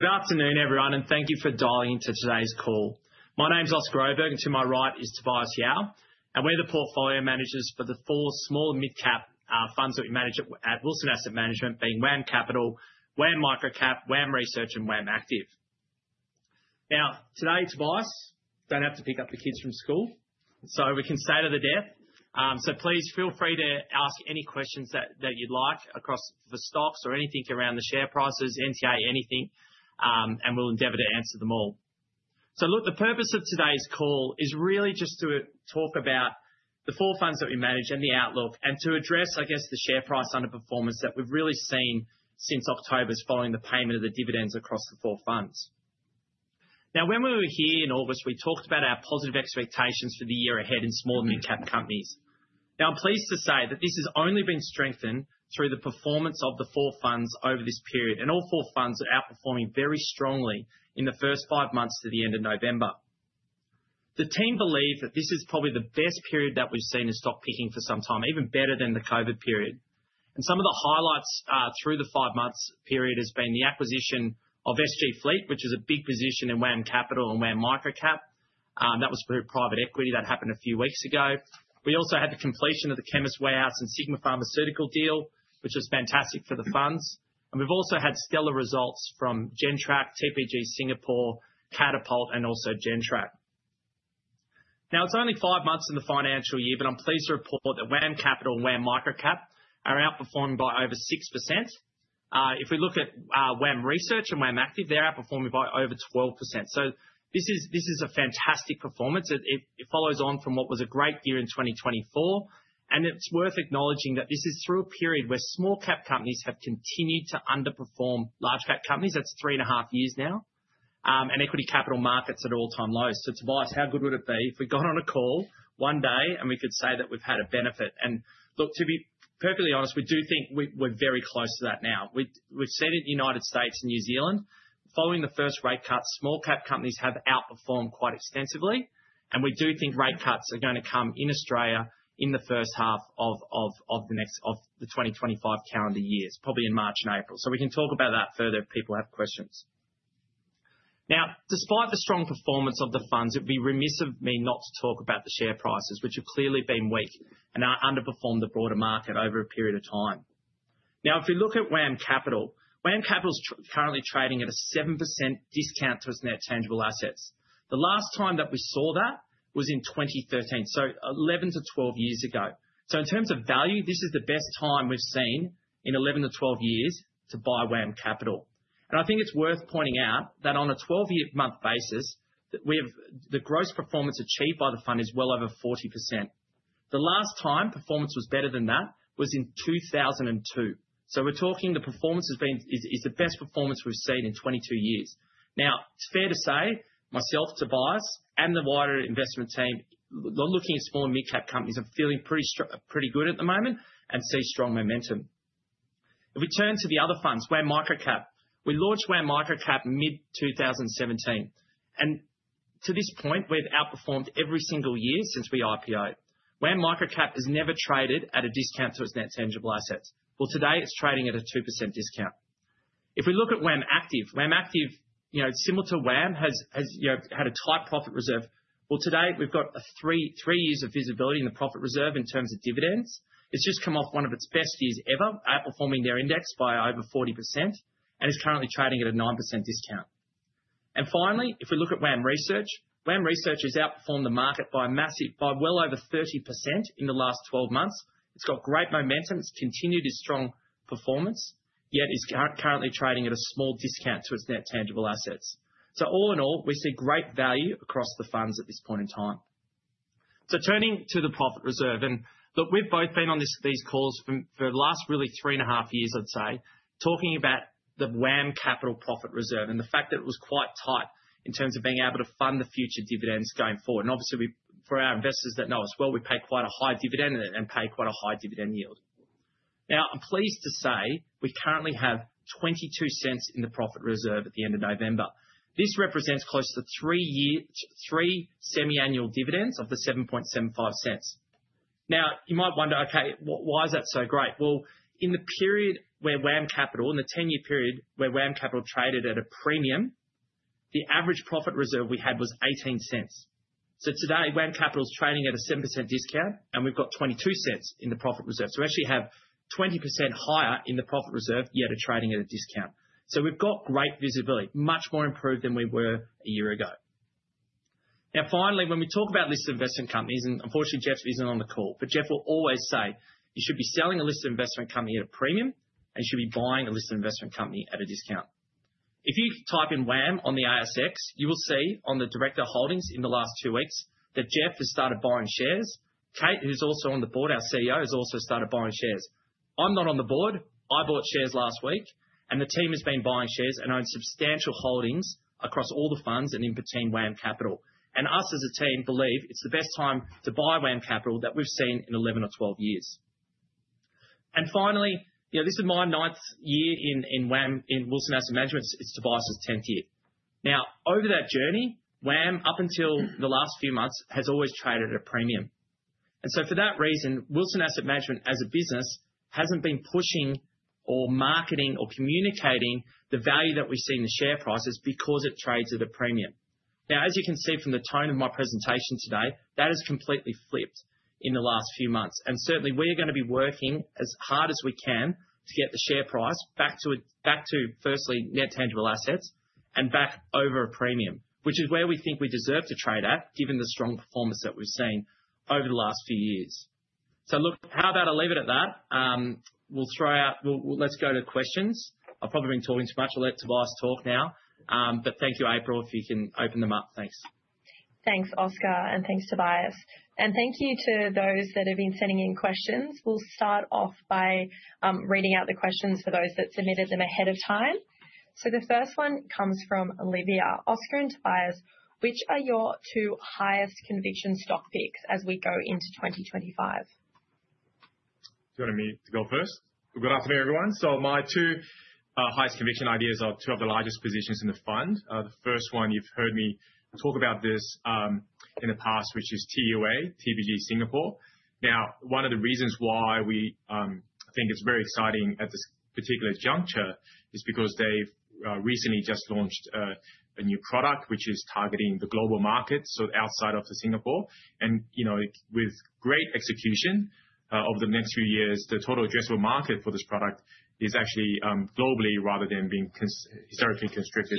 Good afternoon, everyone, and thank you for dialing into today's call. My name's Oscar Oberg, and to my right is Tobias Yao. And we're the Portfolio Managers for the four small and mid-cap funds that we manage at Wilson Asset Management, being WAM Capital, WAM Microcap, WAM Research, and WAM Active. Now, today, Tobias doesn't have to pick up the kids from school, so we can stay to the death. So please feel free to ask any questions that you'd like across the stocks or anything around the share prices, NTA, anything, and we'll endeavor to answer them all. So look, the purpose of today's call is really just to talk about the four funds that we manage and the outlook, and to address, I guess, the share price underperformance that we've really seen since October, following the payment of the dividends across the four funds. Now, when we were here in August, we talked about our positive expectations for the year ahead in small and mid-cap companies. Now, I'm pleased to say that this has only been strengthened through the performance of the four funds over this period, and all four funds are outperforming very strongly in the first five months to the end of November. The team believe that this is probably the best period that we've seen in stock picking for some time, even better than the COVID period, and some of the highlights through the five-month period have been the acquisition of SG Fleet, which is a big position in WAM Capital and WAM Microcap. That was through private equity. That happened a few weeks ago. We also had the completion of the Chemist Warehouse and Sigma Healthcare deal, which was fantastic for the funds. We've also had stellar results from Gentrack, TPG Singapore, Catapult, and also Gentrack. Now, it's only five months in the financial year, but I'm pleased to report that WAM Capital and WAM Microcap are outperforming by over 6%. If we look at WAM Research and WAM Active, they're outperforming by over 12%. This is a fantastic performance. It follows on from what was a great year in 2024. It's worth acknowledging that this is through a period where small-cap companies have continued to underperform large-cap companies. That's three and a half years now, and equity capital markets at all-time lows. Tobias, how good would it be if we got on a call one day and we could say that we've had a benefit? Look, to be perfectly honest, we do think we're very close to that now. We've seen it in the United States and New Zealand. Following the first rate cuts, small-cap companies have outperformed quite extensively. And we do think rate cuts are going to come in Australia in the first half of the 2025 calendar year, probably in March and April. So we can talk about that further if people have questions. Now, despite the strong performance of the funds, it would be remiss of me not to talk about the share prices, which have clearly been weak and underperformed the broader market over a period of time. Now, if we look at WAM Capital, WAM Capital's currently trading at a 7% discount to its net tangible assets. The last time that we saw that was in 2013, so 11-12 years ago. In terms of value, this is the best time we've seen in 11-12 years to buy WAM Capital. And I think it's worth pointing out that on a 12-month basis, the gross performance achieved by the fund is well over 40%. The last time performance was better than that was in 2002. So we're talking the performance has been the best performance we've seen in 22 years. Now, it's fair to say myself, Tobias, and the wider investment team are looking at small and mid-cap companies and feeling pretty good at the moment and see strong momentum. If we turn to the other funds, WAM Microcap. We launched WAM Microcap mid-2017. And to this point, we've outperformed every single year since we IPO. WAM Microcap has never traded at a discount to its net tangible assets. Well, today it's trading at a 2% discount. If we look at WAM Active, similar to WAM, has had a tight profit reserve. Today we've got three years of visibility in the profit reserve in terms of dividends. It's just come off one of its best years ever, outperforming their index by over 40%, and is currently trading at a 9% discount. Finally, if we look at WAM Research, has outperformed the market by well over 30% in the last 12 months. It's got great momentum. It's continued its strong performance, yet is currently trading at a small discount to its net tangible assets. All in all, we see great value across the funds at this point in time. Turning to the profit reserve, and look, we've both been on these calls for the last really three and a half years, I'd say, talking about the WAM Capital profit reserve and the fact that it was quite tight in terms of being able to fund the future dividends going forward. Obviously, for our investors that know us well, we pay quite a high dividend and pay quite a high dividend yield. Now, I'm pleased to say we currently have 0.22 in the profit reserve at the end of November. This represents close to three semi-annual dividends of the 0.0775. Now, you might wonder, okay, why is that so great? In the period where WAM Capital, in the 10-year period where WAM Capital traded at a premium, the average profit reserve we had was 0.18. Today, WAM Capital's trading at a 7% discount, and we've got 0.22 in the profit reserve. So we actually have 20% higher in the profit reserve yet are trading at a discount. So we've got great visibility, much more improved than we were a year ago. Now, finally, when we talk about listed investment companies, and unfortunately, Jeff isn't on the call, but Jeff will always say you should be selling a listed investment company at a premium, and you should be buying a listed investment company at a discount. If you type in WAM on the ASX, you will see on the director holdings in the last two weeks that Jeff has started buying shares. Kate, who's also on the board, our CEO, has also started buying shares. I'm not on the board. I bought shares last week, and the team has been buying shares and owns substantial holdings across all the funds and in between WAM Capital. And us as a team believe it's the best time to buy WAM Capital that we've seen in 11 or 12 years. And finally, this is my ninth year in Wilson Asset Management. It's Tobias's 10th year. Now, over that journey, WAM, up until the last few months, has always traded at a premium. And so for that reason, Wilson Asset Management as a business hasn't been pushing or marketing or communicating the value that we see in the share prices because it trades at a premium. Now, as you can see from the tone of my presentation today, that has completely flipped in the last few months. And certainly, we are going to be working as hard as we can to get the share price back to, firstly, net tangible assets and back over a premium, which is where we think we deserve to trade at, given the strong performance that we've seen over the last few years. So look, how about I leave it at that? Let's go to questions. I've probably been talking too much. I'll let Tobias talk now. But thank you, April, if you can open them up. Thanks. Thanks, Oscar, and thanks, Tobias. And thank you to those that have been sending in questions. We'll start off by reading out the questions for those that submitted them ahead of time. So the first one comes from Olivia. Oscar and Tobias, which are your two highest conviction stock picks as we go into 2025? Do you want me to go first? Good afternoon, everyone. So my two highest conviction ideas are two of the largest positions in the fund. The first one, you've heard me talk about this in the past, which is TUA, TPG Singapore. Now, one of the reasons why we think it's very exciting at this particular juncture is because they've recently just launched a new product, which is targeting the global markets, so outside of Singapore. And with great execution over the next few years, the total addressable market for this product is actually globally, rather than being historically constricted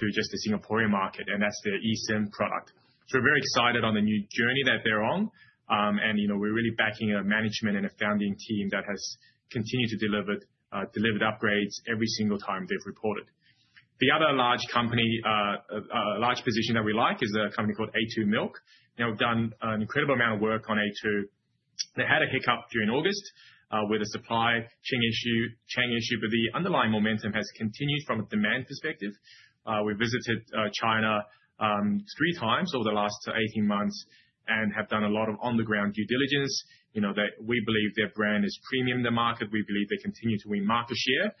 to just the Singaporean market, and that's the eSIM product. So we're very excited on the new journey that they're on. And we're really backing a management and a founding team that has continued to deliver upgrades every single time they've reported. The other large position that we like is a company called a2 Milk. Now, we've done an incredible amount of work on a2. They had a hiccup during August with a supply chain issue, but the underlying momentum has continued from a demand perspective. We visited China three times over the last 18 months and have done a lot of on-the-ground due diligence. We believe their brand is premium in the market. We believe they continue to win market share,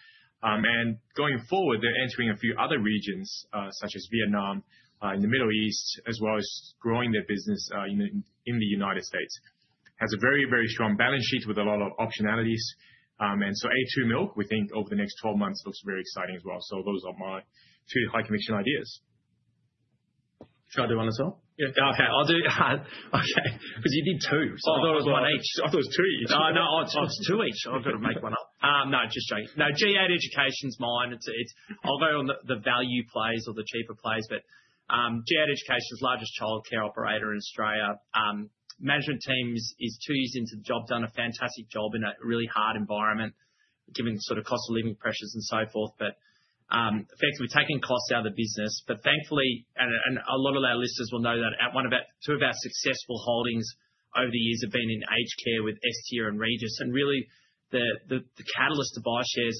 and going forward, they're entering a few other regions, such as Vietnam, in the Middle East, as well as growing their business in the United States. It has a very, very strong balance sheet with a lot of optionalities, and so a2 Milk, we think over the next 12 months looks very exciting as well, so those are my two high conviction ideas. Should I do one as well? Yeah. Okay. I'll do it. Okay. Because you did two. I thought it was one each. I thought it was two each. No, it's two each. I've got to make one up. No, just joking. No, G8 Education's mine. I'll go on the value plays or the cheaper plays, but G8 Education's largest childcare operator in Australia. Management team is two years into the job, done a fantastic job in a really hard environment, given sort of cost of living pressures and so forth, but effectively taking costs out of the business. But thankfully, and a lot of our listeners will know that two of our successful holdings over the years have been in aged care with Estia and Regis. And really, the catalyst to buy shares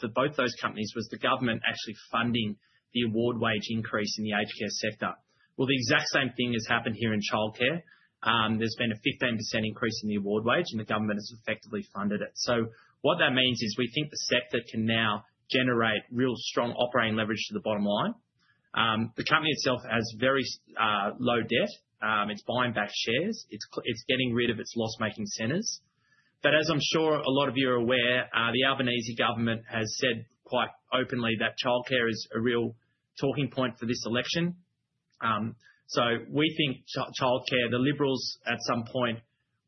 for both those companies was the government actually funding the award wage increase in the aged care sector. Well, the exact same thing has happened here in childcare. There's been a 15% increase in the award wage, and the government has effectively funded it. So what that means is we think the sector can now generate real strong operating leverage to the bottom line. The company itself has very low debt. It's buying back shares. It's getting rid of its loss-making centers. But as I'm sure a lot of you are aware, the Albanese government has said quite openly that childcare is a real talking point for this election. So we think childcare, the Liberals at some point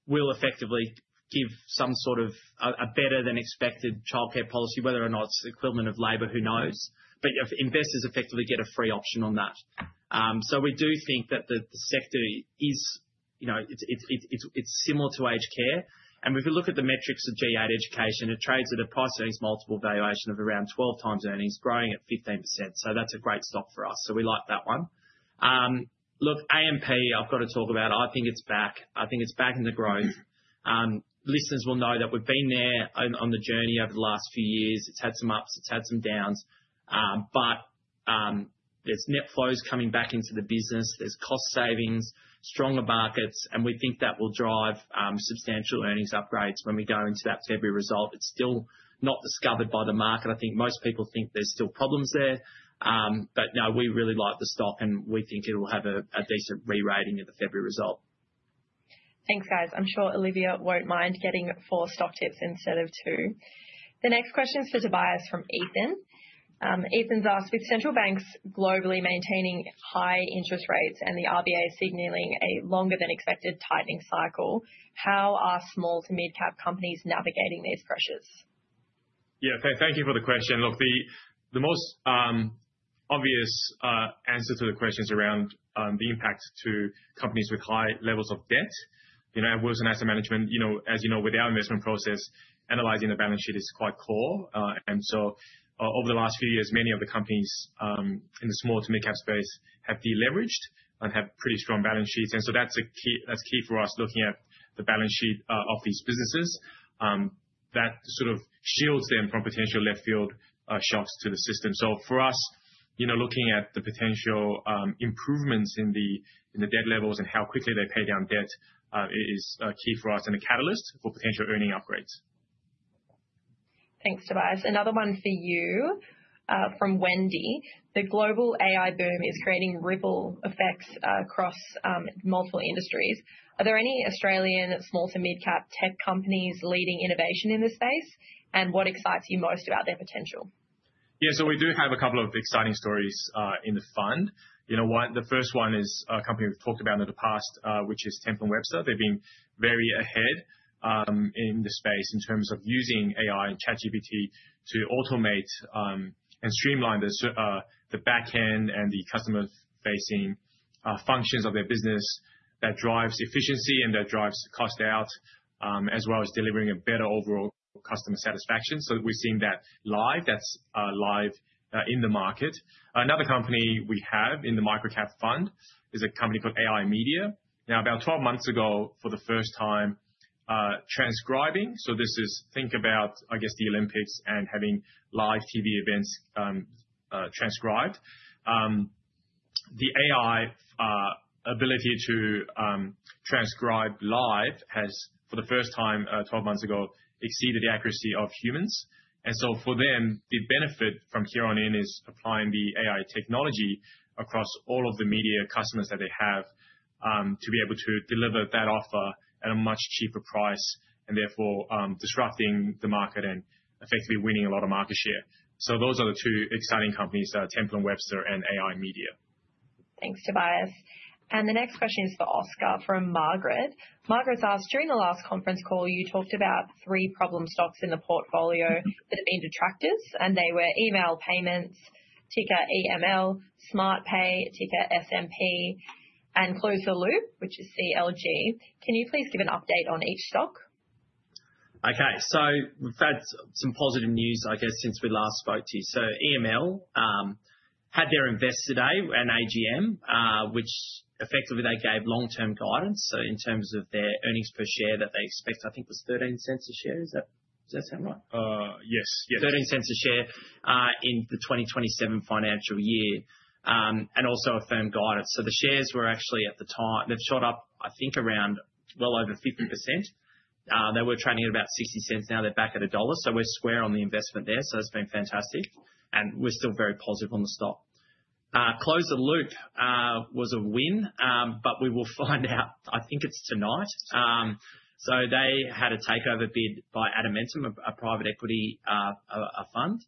will effectively give some sort of a better-than-expected childcare policy, whether or not it's the equivalent of Labor, who knows. But investors effectively get a free option on that. So we do think that the sector is similar to aged care. And if you look at the metrics of G8 Education, it trades at a price earnings multiple valuation of around 12 times earnings, growing at 15%. So that's a great stock for us. We like that one. Look, AMP, I've got to talk about. I think it's back. I think it's back in the growth. Listeners will know that we've been there on the journey over the last few years. It's had some ups. It's had some downs. There's net flows coming back into the business. There's cost savings, stronger markets. We think that will drive substantial earnings upgrades when we go into that February result. It's still not discovered by the market. I think most people think there's still problems there. No, we really like the stock, and we think it will have a decent re-rating in the February result. Thanks, guys. I'm sure Olivia won't mind getting four stock tips instead of two. The next question is for Tobias from Ethan. Ethan's asked, with central banks globally maintaining high interest rates and the RBA signaling a longer-than-expected tightening cycle, how are small to mid-cap companies navigating these pressures? Yeah, okay. Thank you for the question. Look, the most obvious answer to the question is around the impact to companies with high levels of debt. At Wilson Asset Management, as you know, with our investment process, analyzing the balance sheet is quite core. And so over the last few years, many of the companies in the small to mid-cap space have deleveraged and have pretty strong balance sheets. And so that's key for us looking at the balance sheet of these businesses. That sort of shields them from potential left-field shocks to the system. So for us, looking at the potential improvements in the debt levels and how quickly they pay down debt is key for us and a catalyst for potential earnings upgrades. Thanks, Tobias. Another one for you from Wendy. The global AI boom is creating ripple effects across multiple industries. Are there any Australian small to mid-cap tech companies leading innovation in this space? And what excites you most about their potential? Yeah, so we do have a couple of exciting stories in the fund. The first one is a company we've talked about in the past, which is Temple & Webster. They've been very ahead in the space in terms of using AI and ChatGPT to automate and streamline the backend and the customer-facing functions of their business that drives efficiency and that drives cost out, as well as delivering a better overall customer satisfaction. So we're seeing that live. That's live in the market. Another company we have in the Microcap fund is a company called AI-Media. Now, about 12 months ago, for the first time, transcribing, so this is think about, I guess, the Olympics and having live TV events transcribed. The AI ability to transcribe live has, for the first time 12 months ago, exceeded the accuracy of humans. And so for them, the benefit from here on in is applying the AI technology across all of the media customers that they have to be able to deliver that offer at a much cheaper price and therefore disrupting the market and effectively winning a lot of market share. So those are the two exciting companies, Temple & Webster and AI-Media. Thanks, Tobias. And the next question is for Oscar from Margaret. Margaret asked, during the last conference call, you talked about three problem stocks in the portfolio that have been detractors, and they were EML Payments, ticker EML, SmartPay, ticker SMP, and Close the Loop, which is CLG. Can you please give an update on each stock? Okay, so we've had some positive news, I guess, since we last spoke to you. So EML had their investor day today and AGM, which effectively they gave long-term guidance. So in terms of their earnings per share that they expect, I think was 0.13 a share. Does that sound right? Yes, yes. 0.13 a share in the 2027 financial year and also a firm guidance. So the shares were actually at the time they've shot up, I think, around well over 50%. They were trading at about 0.60. Now they're back at AUD 1. So we're square on the investment there. So it's been fantastic. And we're still very positive on the stock. Close the Loop was a win, but we will find out. I think it's tonight. So they had a takeover bid by Adamantem, a private equity fund.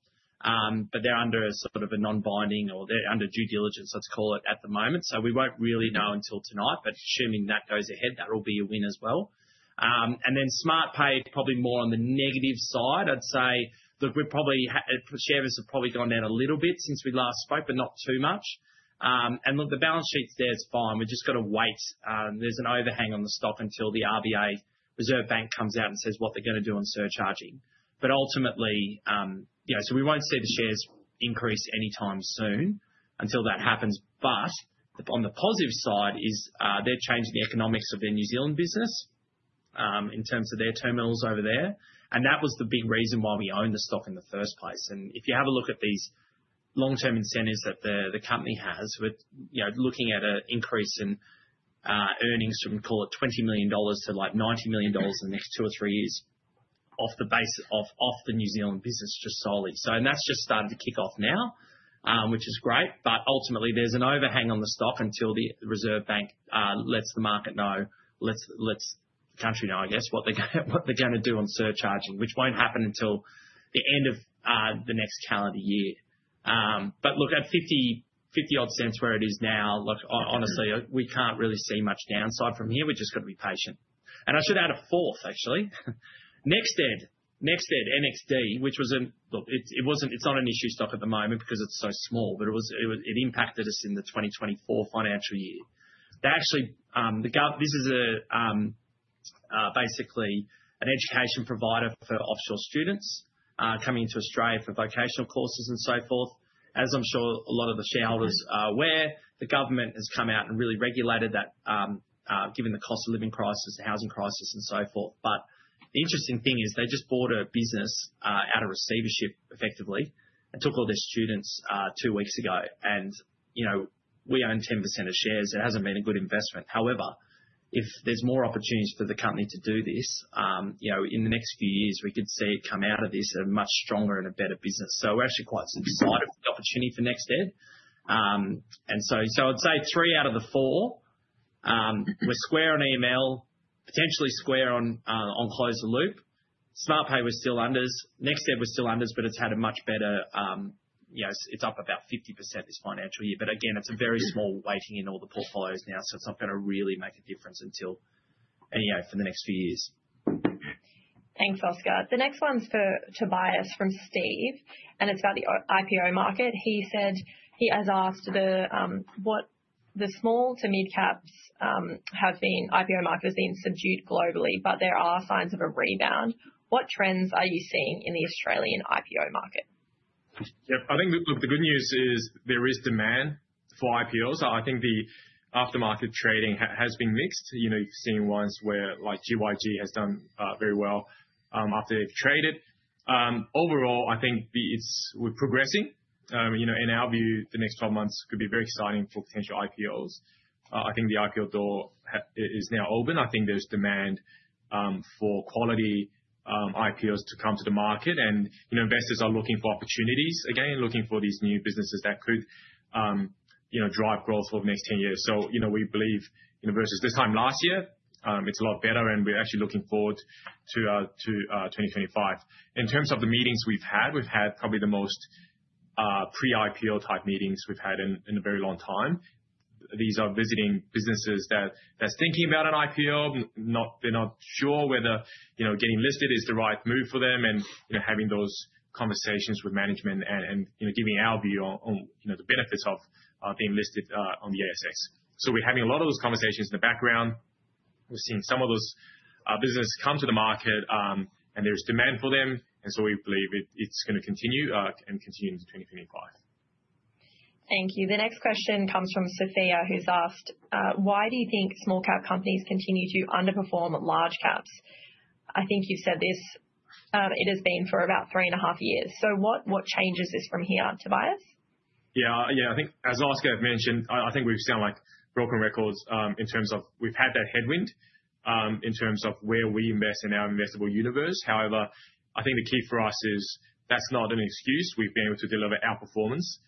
But they're under sort of a non-binding or they're under due diligence, let's call it, at the moment. So we won't really know until tonight, but assuming that goes ahead, that will be a win as well. And then Smartpay, probably more on the negative side. I'd say, look, shares have probably gone down a little bit since we last spoke, but not too much. And look, the balance sheet there is fine. We've just got to wait. There's an overhang on the stock until the RBA, Reserve Bank, comes out and says what they're going to do on surcharging. But ultimately, so we won't see the shares increase anytime soon until that happens. But on the positive side is they're changing the economics of their New Zealand business in terms of their terminals over there. That was the big reason why we owned the stock in the first place. If you have a look at these long-term incentives that the company has with looking at an increase in earnings from, call it, 20 million dollars to like 90 million dollars in the next two or three years off the base of the New Zealand business just solely. That's just started to kick off now, which is great. Ultimately, there's an overhang on the stock until the Reserve Bank lets the market know, lets the country know, I guess, what they're going to do on surcharging, which won't happen until the end of the next calendar year. Look, at 50-odd cents where it is now, look, honestly, we can't really see much downside from here. We've just got to be patient. I should add a fourth, actually. NextEd, NXD, which was a, look, it's not an issue stock at the moment because it's so small, but it impacted us in the 2024 financial year. This is basically an education provider for offshore students coming into Australia for vocational courses and so forth. As I'm sure a lot of the shareholders are aware, the government has come out and really regulated that given the cost of living crisis, the housing crisis, and so forth. But the interesting thing is they just bought a business out of receivership, effectively, and took all their students two weeks ago, and we own 10% of shares. It hasn't been a good investment. However, if there's more opportunities for the company to do this, in the next few years, we could see it come out of this a much stronger and a better business. We're actually quite excited for the opportunity for NextEd. And so I'd say three out of the four. We're square on EML, potentially square on Close the Loop. Smartpay we're still unders. NextEd we're still unders, but it's had a much better, it's up about 50% this financial year. But again, it's a very small weighting in all the portfolios now, so it's not going to really make a difference until for the next few years. Thanks, Oscar. The next one's for Tobias from Steve, and it's about the IPO market. He said he has asked what the small to mid-caps IPO market has been. IPO market has been subdued globally, but there are signs of a rebound. What trends are you seeing in the Australian IPO market? Yeah, I think the good news is there is demand for IPOs. I think the aftermarket trading has been mixed. You've seen ones where like GYG has done very well after they've traded. Overall, I think we're progressing. In our view, the next 12 months could be very exciting for potential IPOs. I think the IPO door is now open. I think there's demand for quality IPOs to come to the market, and investors are looking for opportunities again, looking for these new businesses that could drive growth over the next 10 years, so we believe versus this time last year, it's a lot better, and we're actually looking forward to 2025. In terms of the meetings we've had, we've had probably the most pre-IPO type meetings we've had in a very long time. These are visiting businesses that are thinking about an IPO. They're not sure whether getting listed is the right move for them, and having those conversations with management and giving our view on the benefits of being listed on the ASX, so we're having a lot of those conversations in the background. We're seeing some of those businesses come to the market, and there's demand for them, and so we believe it's going to continue and continue into 2025. Thank you. The next question comes from Sofia, who's asked, why do you think small-cap companies continue to underperform large caps? I think you've said this. It has been for about three and a half years. So what changes this from here, Tobias? Yeah, yeah. I think as Oscar mentioned, I think we've sounded like broken records in terms of we've had that headwind in terms of where we invest in our investable universe. However, I think the key for us is that's not an excuse. We've been able to deliver our performance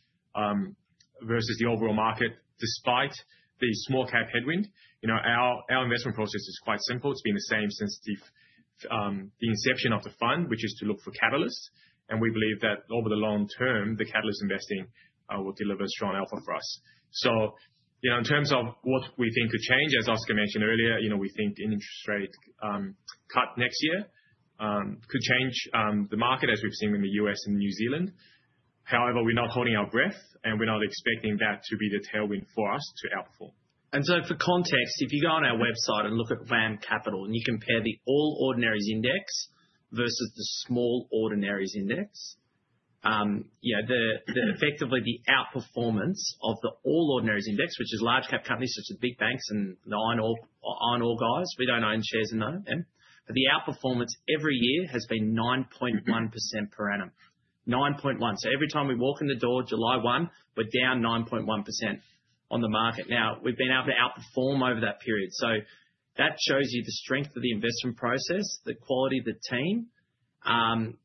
versus the overall market despite the small-cap headwind. Our investment process is quite simple. It's been the same since the inception of the fund, which is to look for catalysts. And we believe that over the long term, the catalyst investing will deliver a strong alpha for us. So in terms of what we think could change, as Oscar mentioned earlier, we think an interest rate cut next year could change the market as we've seen in the U.S. and New Zealand. However, we're not holding our breath, and we're not expecting that to be the tailwind for us to outperform, and so for context, if you go on our website and look at WAM Capital and you compare the All Ordinaries Index versus the Small Ordinaries Index, effectively the outperformance of the All Ordinaries Index, which is large-cap companies such as big banks and the iron ore guys, we don't own shares in them, but the outperformance every year has been 9.1% per annum. 9.1%. So every time we walk in the door July 1, we're down 9.1% on the market. Now, we've been able to outperform over that period. So that shows you the strength of the investment process, the quality of the team.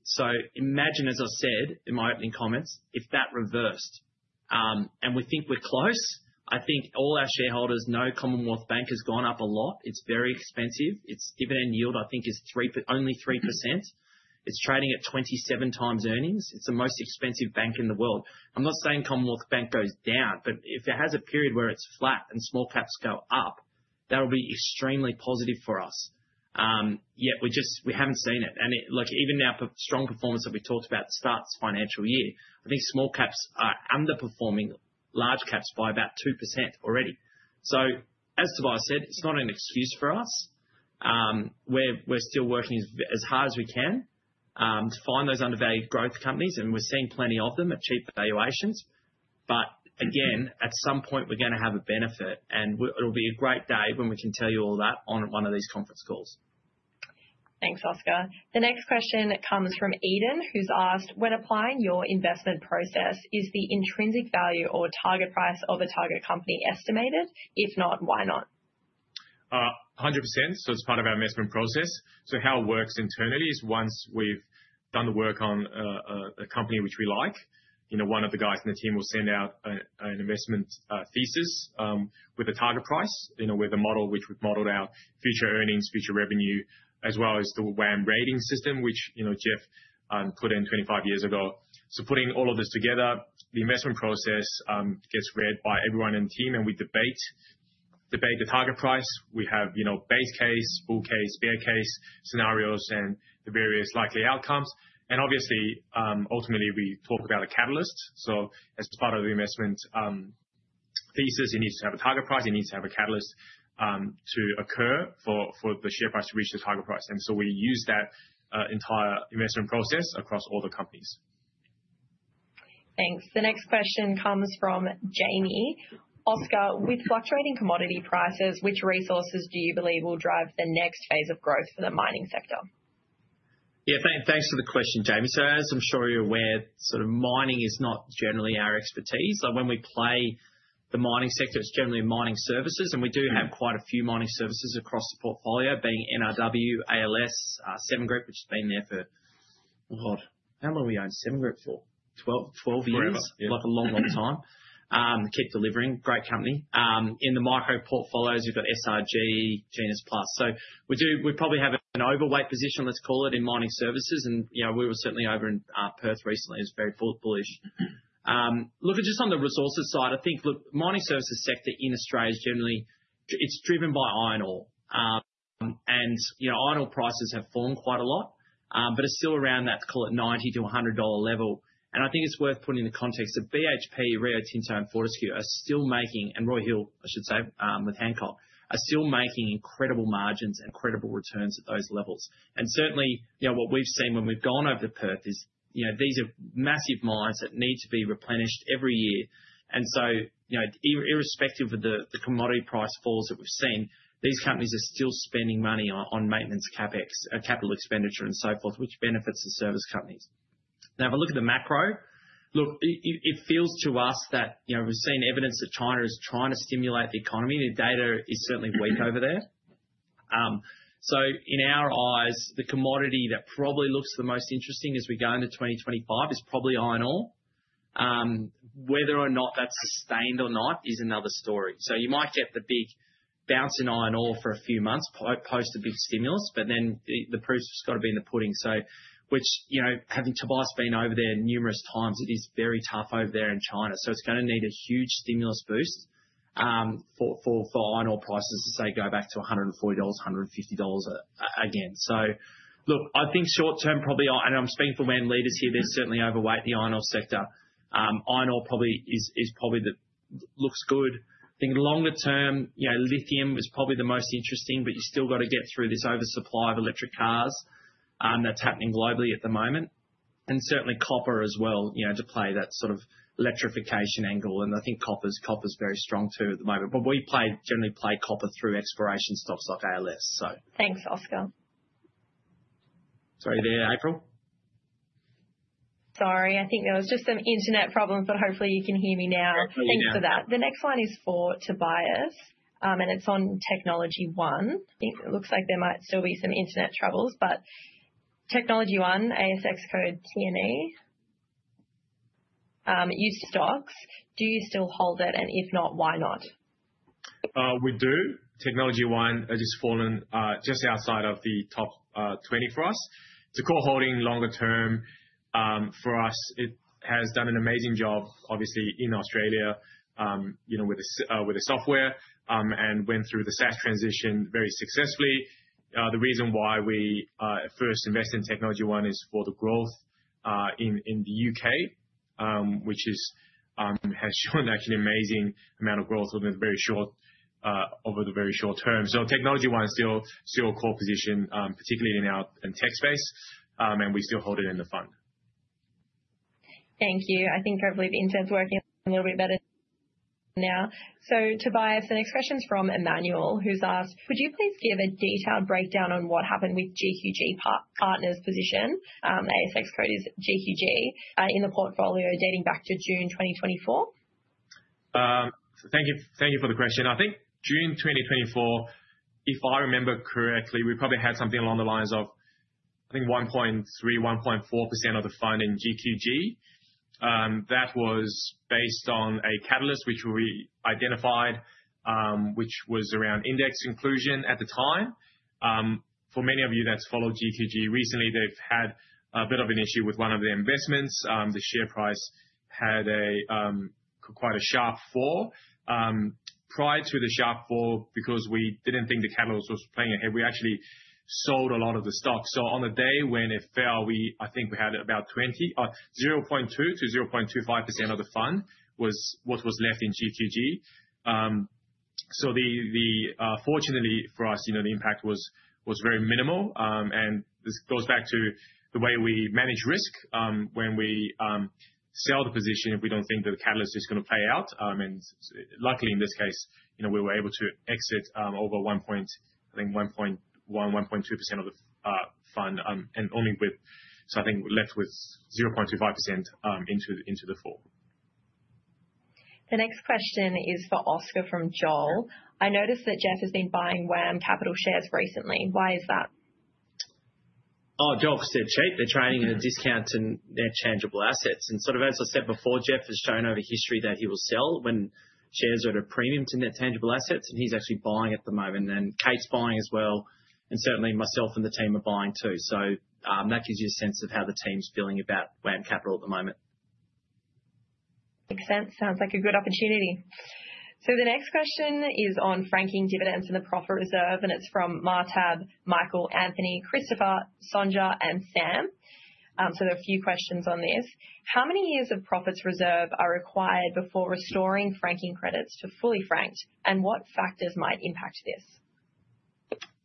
So imagine, as I said in my opening comments, if that reversed and we think we're close. I think all our shareholders know Commonwealth Bank has gone up a lot. It's very expensive. Its dividend yield, I think, is only 3%. It's trading at 27x earnings. It's the most expensive bank in the world. I'm not saying Commonwealth Bank goes down, but if it has a period where it's flat and small caps go up, that will be extremely positive for us. Yet we haven't seen it. And look, even our strong performance that we talked about starts financial year. I think small caps are underperforming large caps by about 2% already. So as Tobias said, it's not an excuse for us. We're still working as hard as we can to find those undervalued growth companies, and we're seeing plenty of them at cheap valuations. But again, at some point, we're going to have a benefit, and it'll be a great day when we can tell you all that on one of these conference calls. Thanks, Oscar. The next question comes from Eden, who's asked, when applying your investment process, is the intrinsic value or target price of a target company estimated? If not, why not? 100%. So it's part of our investment process. So how it works internally is once we've done the work on a company which we like, one of the guys in the team will send out an investment thesis with a target price with a model which we've modeled out future earnings, future revenue, as well as the WAM rating system, which Jeff put in 25 years ago. So putting all of this together, the investment thesis gets read by everyone in the team, and we debate the target price. We have base case, bull case, bear case scenarios, and the various likely outcomes. And obviously, ultimately, we talk about a catalyst. So as part of the investment thesis, it needs to have a target price. It needs to have a catalyst to occur for the share price to reach the target price. And so we use that entire investment process across all the companies. Thanks. The next question comes from Jamie. Oscar, with fluctuating commodity prices, which resources do you believe will drive the next phase of growth for the mining sector? Yeah, thanks for the question, Jamie. So as I'm sure you're aware, mining is not generally our expertise. When we play the mining sector, it's generally mining services. And we do have quite a few mining services across the portfolio, being NRW, ALS, Seven Group, which has been there for, God, how long we owned Seven Group for? 12 years. Like a long, long time. Keep delivering. Great company. In the micro portfolios, we've got SRG, GenusPlus. So we probably have an overweight position, let's call it, in mining services. And we were certainly over in Perth recently. It was very bullish. Look at just on the resources side, I think, look, the mining services sector in Australia is generally, it's driven by iron ore. And iron ore prices have fallen quite a lot, but it's still around that, call it, $90-$100 level. I think it's worth putting in the context of BHP, Rio Tinto, and Fortescue are still making, and Royal Hill, I should say, with Hancock, are still making incredible margins and incredible returns at those levels. Certainly, what we've seen when we've gone over to Perth is these are massive mines that need to be replenished every year. So irrespective of the commodity price falls that we've seen, these companies are still spending money on maintenance, CapEx, capital expenditure, and so forth, which benefits the service companies. Now, if I look at the macro, look, it feels to us that we've seen evidence that China is trying to stimulate the economy. The data is certainly weak over there. So in our eyes, the commodity that probably looks the most interesting as we go into 2025 is probably iron ore. Whether or not that's sustained or not is another story, so you might get the big bounce in iron ore for a few months post a big stimulus, but then the proof's got to be in the pudding, so having Tobias been over there numerous times, it is very tough over there in China, so it's going to need a huge stimulus boost for iron ore prices to, say, go back to 140 dollars-AUD150 again, so look, I think short-term probably, and I'm speaking for WAM Leaders here, they're certainly overweight the iron ore sector. Iron ore probably looks good. I think longer-term, lithium is probably the most interesting, but you've still got to get through this oversupply of electric cars that's happening globally at the moment, and certainly copper as well to play that sort of electrification angle, and I think copper's very strong too at the moment. But we generally play copper through exploration stocks like ALS, so. Thanks, Oscar. Sorry, there, April. Sorry, I think there was just some internet problems, but hopefully you can hear me now. Thanks for that. The next one is for Tobias, and it's on TechnologyOne. It looks like there might still be some internet troubles, but TechnologyOne, ASX code TNE. Your stocks, do you still hold it? And if not, why not? We do. TechnologyOne has just fallen just outside of the top 20 for us. It's a core holding longer-term for us. It has done an amazing job, obviously, in Australia with the software and went through the SaaS transition very successfully. The reason why we first invested in TechnologyOne is for the growth in the U.K., which has shown actually an amazing amount of growth over the very short term. So TechnologyOne is still a core position, particularly in our tech space, and we still hold it in the fund. Thank you. I think I believe Eden's working a little bit better now. So, Tobias, the next question's from Emmanuel, who's asked, could you please give a detailed breakdown on what happened with GQG Partners' position? ASX code is GQG in the portfolio dating back to June 2024? Thank you for the question. I think June 2024, if I remember correctly, we probably had something along the lines of, I think, 1.3%, 1.4% of the fund in GQG. That was based on a catalyst, which we identified, which was around index inclusion at the time. For many of you that's followed GQG recently, they've had a bit of an issue with one of their investments. The share price had quite a sharp fall. Prior to the sharp fall, because we didn't think the catalyst was playing ahead, we actually sold a lot of the stock. So on the day when it fell, I think we had about 0.2%-0.25% of the fund was what was left in GQG. So fortunately for us, the impact was very minimal, and this goes back to the way we manage risk. When we sell the position, if we don't think that the catalyst is going to play out, and luckily in this case, we were able to exit over, I think, 1.1%-1.2% of the fund, and only with, so I think we're left with 0.25% into the fall. The next question is for Oscar from Joel. I noticed that Geoff has been buying WAM Capital shares recently. Why is that? Oh, Joel said cheap. They're trading at a discount in their tangible assets. And sort of as I said before, Geoff has shown over history that he will sell when shares are at a premium to net tangible assets, and he's actually buying at the moment. And Kate's buying as well, and certainly myself and the team are buying too. So that gives you a sense of how the team's feeling about WAM Capital at the moment. Makes sense. Sounds like a good opportunity. So the next question is on franking credits and the profit reserve, and it's from Martab, Michael, Anthony, Christopher, Sonja, and Sam. So there are a few questions on this. How many years of profit reserve are required before restoring franking credits to fully franked, and what factors might impact this?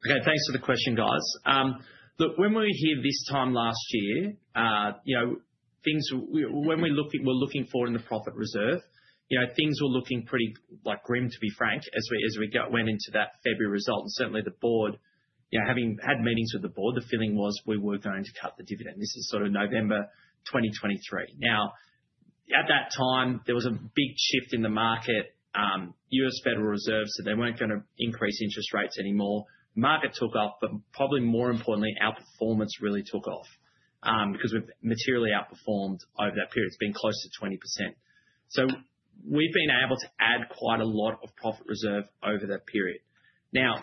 Okay, thanks for the question, guys. Look, when we were here this time last year, when we were looking forward in the profit reserve, things were looking pretty grim, to be frank, as we went into that February result, and certainly the board, having had meetings with the board, the feeling was we were going to cut the dividend. This is sort of November 2023, now, at that time, there was a big shift in the market. The U.S. Federal Reserve, so they weren't going to increase interest rates anymore, the market took off, but probably more importantly, our performance really took off because we've materially outperformed over that period. It's been close to 20%, so we've been able to add quite a lot of profit reserve over that period. Now,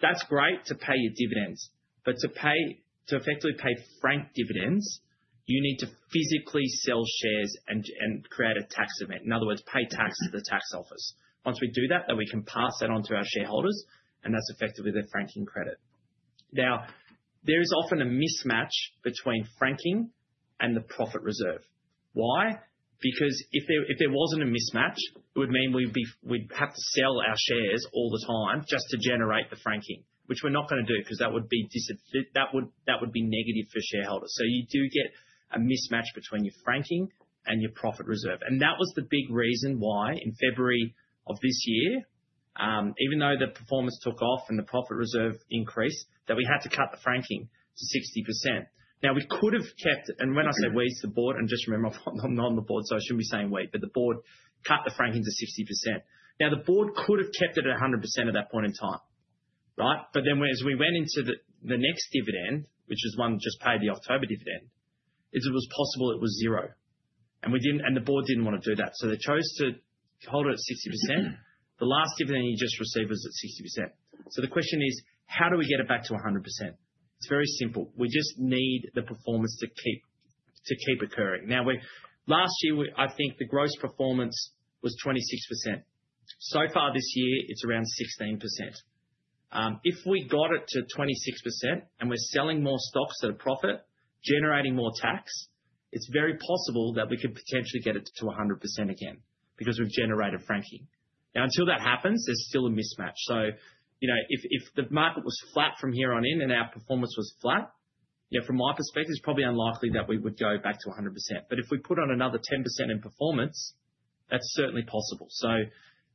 that's great to pay your dividends, but to effectively pay franked dividends, you need to physically sell shares and create a tax event. In other words, pay tax to the tax office. Once we do that, then we can pass that on to our shareholders, and that's effectively the franking credit. Now, there is often a mismatch between franking and the profit reserve. Why? Because if there wasn't a mismatch, it would mean we'd have to sell our shares all the time just to generate the franking, which we're not going to do because that would be negative for shareholders. So you do get a mismatch between your franking and your profit reserve. And that was the big reason why in February of this year, even though the performance took off and the profit reserve increased, that we had to cut the franking to 60%. Now, we could have kept, and when I say we, it's the board, and just remember, I'm not on the board, so I shouldn't be saying we, but the board cut the franking to 60%. Now, the board could have kept it at 100% at that point in time, right? But then as we went into the next dividend, which is one that just paid the October dividend, it was possible it was zero. And the board didn't want to do that. So they chose to hold it at 60%. The last dividend he just received was at 60%. So the question is, how do we get it back to 100%? It's very simple. We just need the performance to keep occurring. Now, last year, I think the gross performance was 26%. So far this year, it's around 16%. If we got it to 26% and we're selling more stocks at a profit, generating more tax, it's very possible that we could potentially get it to 100% again because we've generated franking. Now, until that happens, there's still a mismatch. So if the market was flat from here on in and our performance was flat, from my perspective, it's probably unlikely that we would go back to 100%. But if we put on another 10% in performance, that's certainly possible. So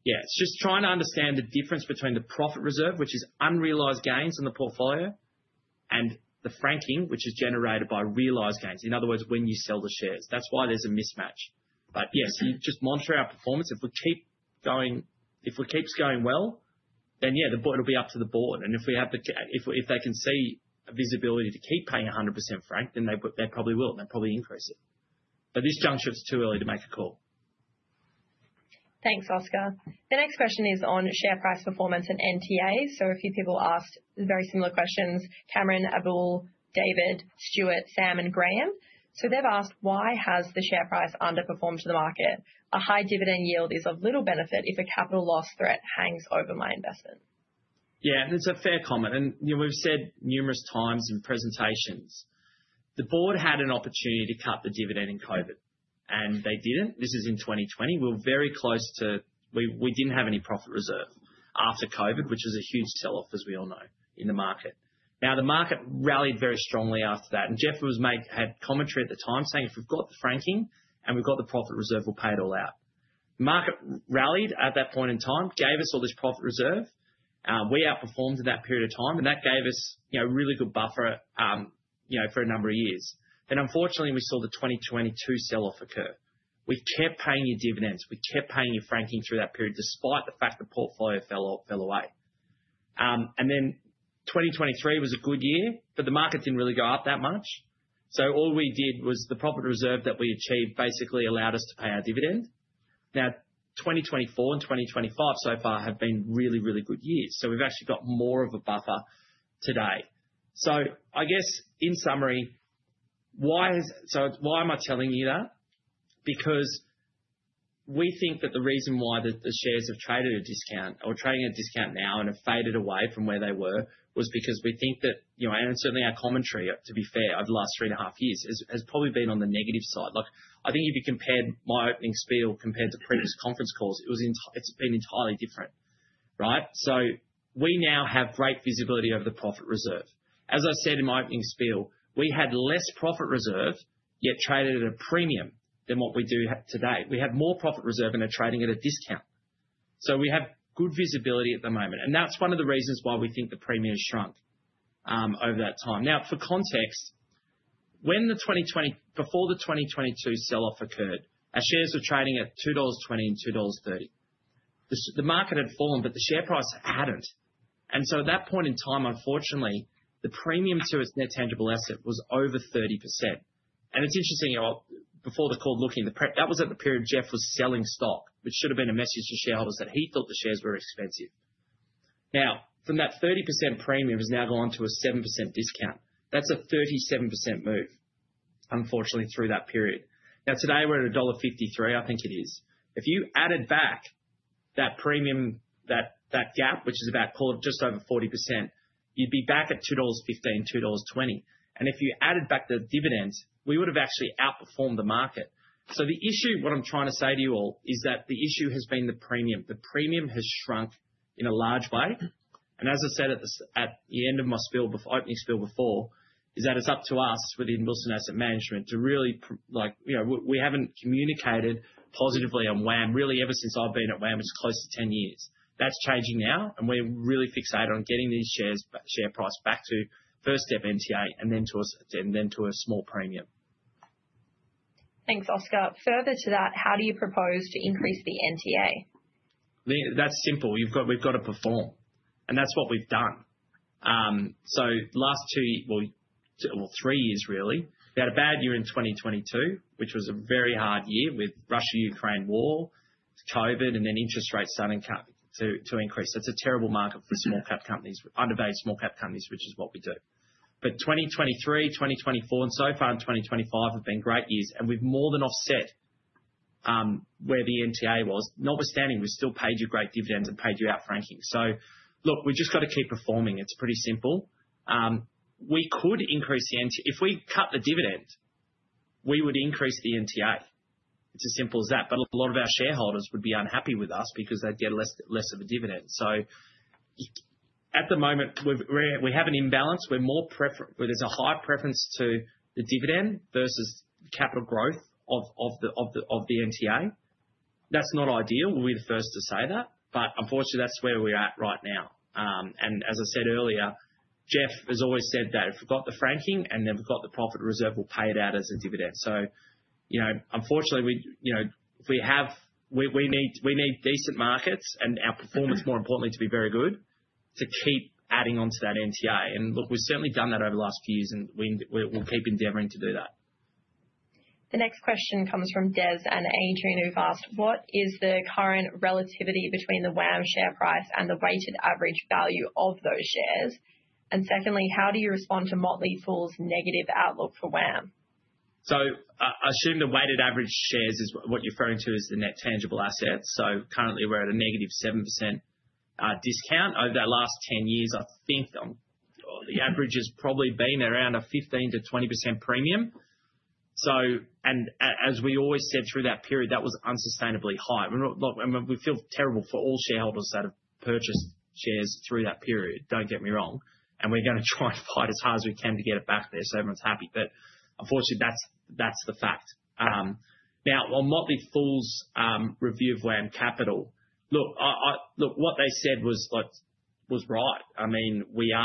yeah, it's just trying to understand the difference between the profit reserve, which is unrealized gains in the portfolio, and the franking, which is generated by realized gains. In other words, when you sell the shares. That's why there's a mismatch. But yes, just monitor our performance. If we keep going, if we keep going well, then yeah, it'll be up to the board. And if they can see a visibility to keep paying 100% frank, then they probably will, and they'll probably increase it. But this juncture is too early to make a call. Thanks, Oscar. The next question is on share price performance and NTA. So a few people asked very similar questions: Cameron, Abel, David, Stuart, Sam, and Graham. So they've asked, why has the share price underperformed to the market? A high dividend yield is of little benefit if a capital loss threat hangs over my investment. Yeah, and it's a fair comment. And we've said numerous times in presentations, the board had an opportunity to cut the dividend in COVID, and they didn't. This is in 2020. We were very close to, we didn't have any profit reserve after COVID, which was a huge sell-off, as we all know, in the market. Now, the market rallied very strongly after that. And Jeff had commentary at the time saying, if we've got the franking and we've got the profit reserve, we'll pay it all out. The market rallied at that point in time, gave us all this profit reserve. We outperformed in that period of time, and that gave us a really good buffer for a number of years. Then unfortunately, we saw the 2022 sell-off occur. We kept paying your dividends. We kept paying your franking through that period despite the fact the portfolio fell away. And then 2023 was a good year, but the market didn't really go up that much. So all we did was the profit reserve that we achieved basically allowed us to pay our dividend. Now, 2024 and 2025 so far have been really, really good years. So we've actually got more of a buffer today. So I guess in summary, why am I telling you that? Because we think that the reason why the shares have traded at a discount or trading at a discount now and have faded away from where they were was because we think that, and certainly our commentary, to be fair, over the last three and a half years has probably been on the negative side. Look, I think if you compared my opening spiel compared to previous conference calls, it's been entirely different, right? So we now have great visibility over the profit reserve. As I said in my opening spiel, we had less profit reserve, yet traded at a premium than what we do today. We have more profit reserve and are trading at a discount. So we have good visibility at the moment. And that's one of the reasons why we think the premium has shrunk over that time. Now, for context, before the 2022 sell-off occurred, our shares were trading at 2.20 dollars and 2.30 dollars. The market had fallen, but the share price hadn't. And so at that point in time, unfortunately, the premium to its Net Tangible Assets was over 30%. And it's interesting, before the call, looking, that was at the period Jeff was selling stock, which should have been a message to shareholders that he thought the shares were expensive. Now, from that 30% premium has now gone to a 7% discount. That's a 37% move, unfortunately, through that period. Now, today we're at dollar 1.53, I think it is. If you added back that premium, that gap, which is about just over 40%, you'd be back at 2.15 dollars, 2.20 dollars. And if you added back the dividends, we would have actually outperformed the market. So the issue, what I'm trying to say to you all, is that the issue has been the premium. The premium has shrunk in a large way. And as I said at the end of my opening spiel before, is that it's up to us within Wilson Asset Management to really, we haven't communicated positively on WAM really ever since I've been at WAM, it's close to 10 years. That's changing now, and we're really fixated on getting these shares' share price back to first step NTA and then to a small premium. Thanks, Oscar. Further to that, how do you propose to increase the NTA? That's simple. We've got to perform, and that's what we've done. So last two, well, three years really. We had a bad year in 2022, which was a very hard year with Russia-Ukraine war, COVID, and then interest rates starting to increase. That's a terrible market for undervalued small-cap companies, which is what we do. But 2023, 2024, and so far in 2025 have been great years, and we've more than offset where the NTA was. Notwithstanding, we still paid you great dividends and paid you out franking. So look, we've just got to keep performing. It's pretty simple. We could increase the NTA. If we cut the dividend, we would increase the NTA. It's as simple as that. But a lot of our shareholders would be unhappy with us because they'd get less of a dividend. So at the moment, we have an imbalance. There's a high preference to the dividend versus capital growth of the NTA. That's not ideal. We're the first to say that, but unfortunately, that's where we're at right now, and as I said earlier, Jeff has always said that if we've got the franking and then we've got the profit reserve, we'll pay it out as a dividend, so unfortunately, we need decent markets and our performance, more importantly, to be very good to keep adding on to that NTA, and look, we've certainly done that over the last few years, and we'll keep endeavoring to do that. The next question comes from Des and Adrian, who've asked, what is the current relativity between the WAM share price and the weighted average value of those shares? And secondly, how do you respond to Motley Fool's negative outlook for WAM? I assume the weighted average shares is what you're referring to as the net tangible assets. Currently, we're at a negative 7% discount. Over the last 10 years, I think the average has probably been around a 15%-20% premium. And as we always said through that period, that was unsustainably high. Look, we feel terrible for all shareholders that have purchased shares through that period, don't get me wrong. And we're going to try and fight as hard as we can to get it back there so everyone's happy. But unfortunately, that's the fact. Now, on Motley Fool's review of WAM Capital, look, what they said was right. I mean, we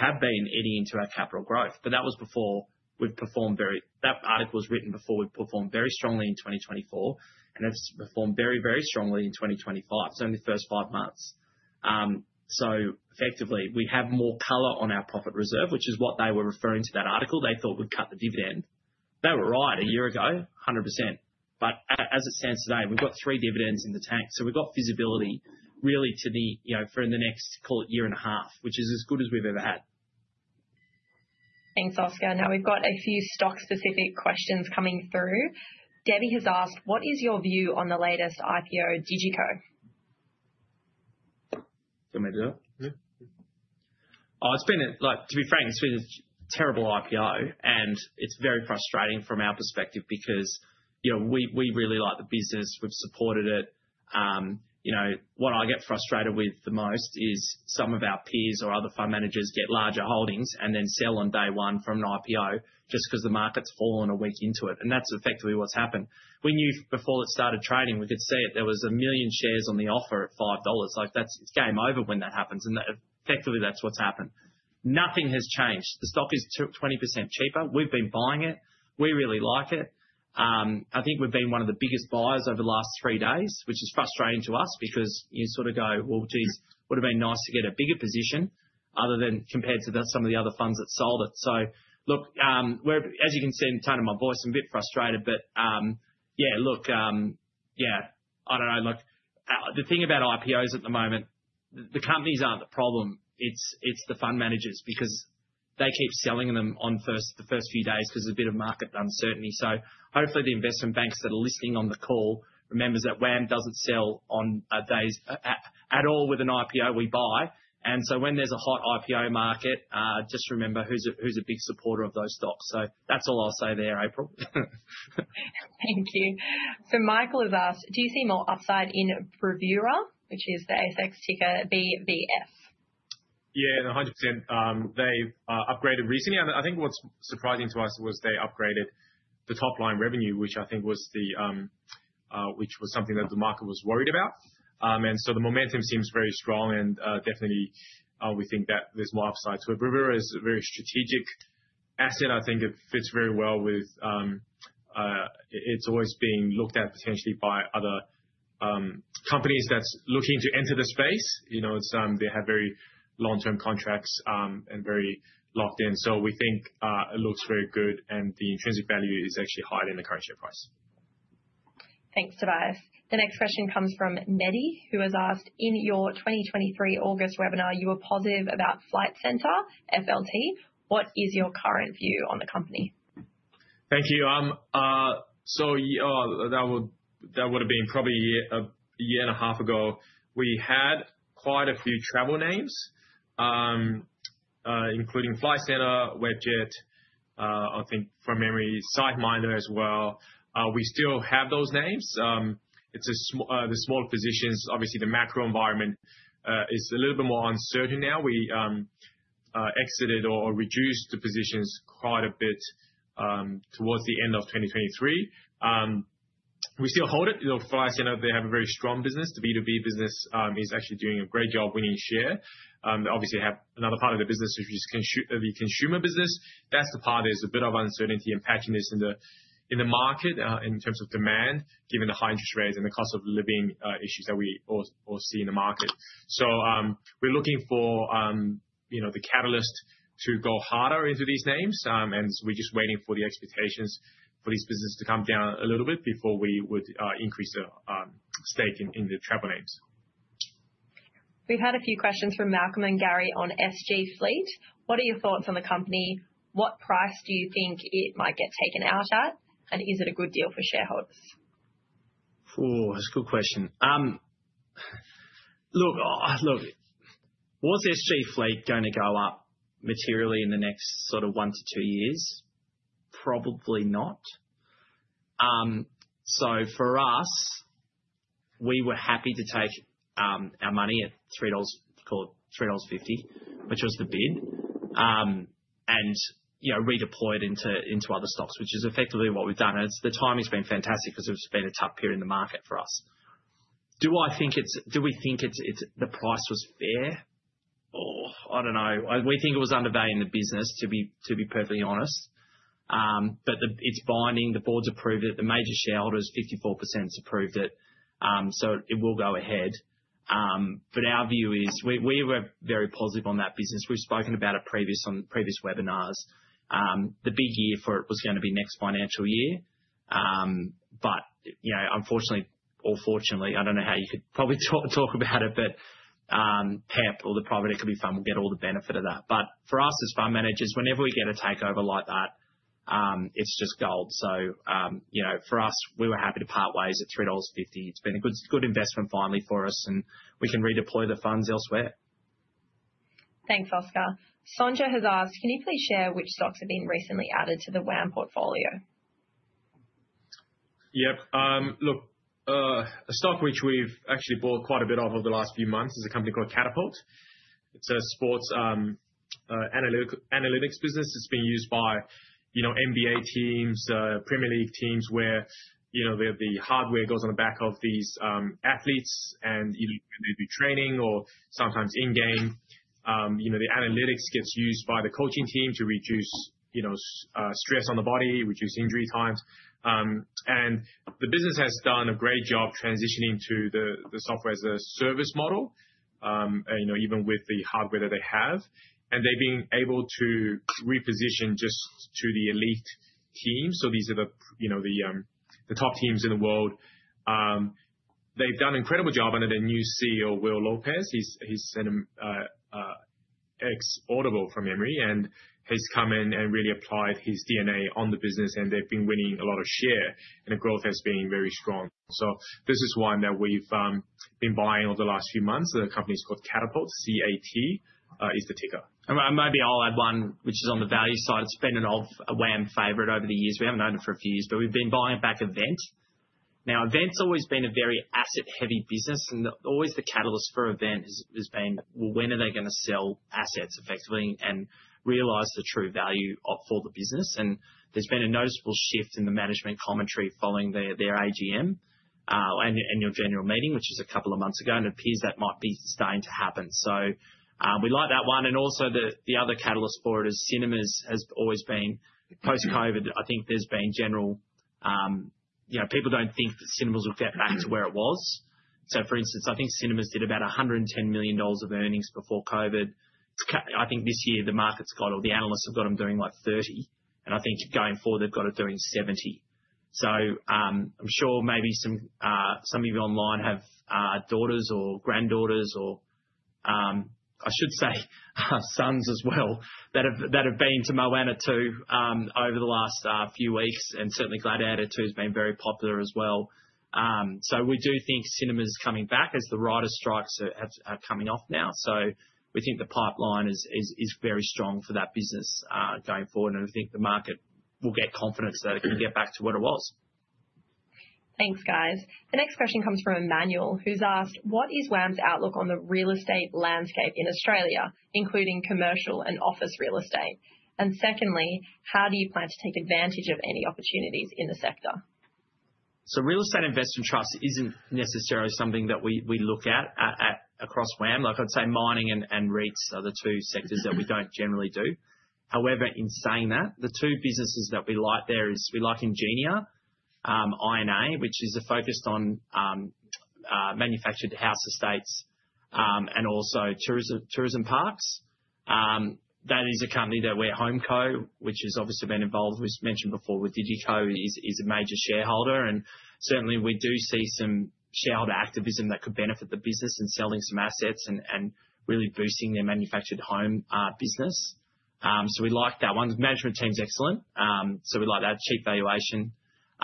have been eating into our capital growth, but that article was written before we've performed very strongly in 2024, and it's performed very, very strongly in 2025, so in the first five months. Effectively, we have more color on our profit reserve, which is what they were referring to in that article. They thought we'd cut the dividend. They were right a year ago, 100%. As it stands today, we've got three dividends in the tank. We've got visibility really for the next, call it, year and a half, which is as good as we've ever had. Thanks, Oscar. Now, we've got a few stock-specific questions coming through. Debbie has asked, what is your view on the latest IPO, DiGiCo? Can we do that? To be frank, it's been a terrible IPO, and it's very frustrating from our perspective because we really like the business. We've supported it. What I get frustrated with the most is some of our peers or other fund managers get larger holdings and then sell on day one from an IPO just because the market's fallen a week into it. And that's effectively what's happened. We knew before it started trading, we could see it. There was 1 million shares on the offer at 5 dollars. It's game over when that happens. And effectively, that's what's happened. Nothing has changed. The stock is 20% cheaper. We've been buying it. We really like it. I think we've been one of the biggest buyers over the last three days, which is frustrating to us because you sort of go, well, geez, would have been nice to get a bigger position compared to some of the other funds that sold it. So look, as you can see in the tone of my voice, I'm a bit frustrated, but yeah, look, yeah, I don't know. Look, the thing about IPOs at the moment, the companies aren't the problem. It's the fund managers because they keep selling them on the first few days because there's a bit of market uncertainty. So hopefully, the investment banks that are listening on the call remember that WAM doesn't sell at all with an IPO we buy. And so when there's a hot IPO market, just remember who's a big supporter of those stocks. So that's all I'll say there, April. Thank you. So Michael has asked, do you see more upside in Bravura, which is the ASX ticker BVF? Yeah, 100%. They've upgraded recently. I think what's surprising to us was they upgraded the top-line revenue, which I think was something that the market was worried about. And so the momentum seems very strong. And definitely, we think that there's more upside. So Bravura is a very strategic asset. I think it fits very well with its always being looked at potentially by other companies that's looking to enter the space. They have very long-term contracts and very locked in. So we think it looks very good, and the intrinsic value is actually higher than the current share price. Thanks, Tobias. The next question comes from Medi, who has asked, in your 2023 August webinar, you were positive about Flight Centre FLT. What is your current view on the company? Thank you. So that would have been probably a year and a half ago. We had quite a few travel names, including Flight Centre, Webjet, I think from memory, SiteMinder as well. We still have those names. It's the smaller positions. Obviously, the macro environment is a little bit more uncertain now. We exited or reduced the positions quite a bit towards the end of 2023. We still hold it. Flight Centre, they have a very strong business. The B2B business is actually doing a great job winning share. Obviously, they have another part of the business, which is the consumer business. That's the part there's a bit of uncertainty and patchiness in the market in terms of demand, given the high interest rates and the cost of living issues that we all see in the market. So we're looking for the catalyst to go harder into these names. We're just waiting for the expectations for these businesses to come down a little bit before we would increase the stake in the travel names. We've had a few questions from Malcolm and Gary on SG Fleet. What are your thoughts on the company? What price do you think it might get taken out at? And is it a good deal for shareholders? That's a good question. Look, what's SG Fleet going to go up materially in the next sort of one to two years? Probably not. So for us, we were happy to take our money at 3.50 dollars, which was the bid, and redeploy it into other stocks, which is effectively what we've done. And the timing's been fantastic because it's been a tough period in the market for us. Do I think it's do we think the price was fair? Oh, I don't know. We think it was undervaluing the business, to be perfectly honest. But it's binding. The board's approved it. The major shareholders, 54%'s approved it. So it will go ahead. But our view is we were very positive on that business. We've spoken about it previous webinars. The big year for it was going to be next financial year. But unfortunately or fortunately, I don't know how you could probably talk about it, but PEP or the private equity fund will get all the benefit of that. But for us as fund managers, whenever we get a takeover like that, it's just gold. So for us, we were happy to part ways at 3.50 dollars. It's been a good investment finally for us, and we can redeploy the funds elsewhere. Thanks, Oscar. Sonja has asked, can you please share which stocks have been recently added to the WAM portfolio? Yep. Look, a stock which we've actually bought quite a bit of over the last few months is a company called Catapult. It's a sports analytics business. It's been used by NBA teams, Premier League teams, where the hardware goes on the back of these athletes and they do training or sometimes in-game. The analytics gets used by the coaching team to reduce stress on the body, reduce injury times. And the business has done a great job transitioning to the software as a service model, even with the hardware that they have. And they've been able to reposition just to the elite teams. So these are the top teams in the world. They've done an incredible job under their new CEO, Will Lopez. He's an ex-Audible from memory and has come in and really applied his DNA on the business, and they've been winning a lot of share, and the growth has been very strong. So this is one that we've been buying over the last few months. The company's called Catapult, C-A-T is the ticker. Maybe I'll add one, which is on the value side. It's been an old WAM favorite over the years. We haven't owned it for a few years, but we've been buying it back Event. Now, Event's always been a very asset-heavy business, and always the catalyst for Event has been, well, when are they going to sell assets effectively and realize the true value for the business? And there's been a noticeable shift in the management commentary following their AGM and annual general meeting, which is a couple of months ago, and it appears that might be starting to happen. So we like that one. And also the other catalyst for it is Cinemas has always been post-COVID. I think there's been general people don't think that Cinemas will get back to where it was. So for instance, I think Cinemas did about 110 million dollars of earnings before COVID. I think this year the market's got or the analysts have got them doing like 30, and I think going forward they've got it doing 70. So I'm sure maybe some of you online have daughters or granddaughters or I should say sons as well that have been to Moana 2 over the last few weeks, and certainly Gladiator II has been very popular as well. So we do think cinemas is coming back as the writers' strikes are coming off now. So we think the pipeline is very strong for that business going forward, and I think the market will get confidence that it can get back to what it was. Thanks, guys. The next question comes from Emmanuel, who's asked, what is WAM's outlook on the real estate landscape in Australia, including commercial and office real estate? And secondly, how do you plan to take advantage of any opportunities in the sector? So real estate investment trust isn't necessarily something that we look at across WAM. I'd say mining and REITs are the two sectors that we don't generally do. However, in saying that, the two businesses that we like there is Ingenia, INA, which is focused on manufactured house estates and also tourism parks. That is a company that we're at HomeCo, which has obviously been involved, as mentioned before, with DigiCo. HomeCo is a major shareholder, and certainly we do see some shareholder activism that could benefit the business in selling some assets and really boosting their manufactured home business. So we like that one. The management team's excellent. So we like that cheap valuation.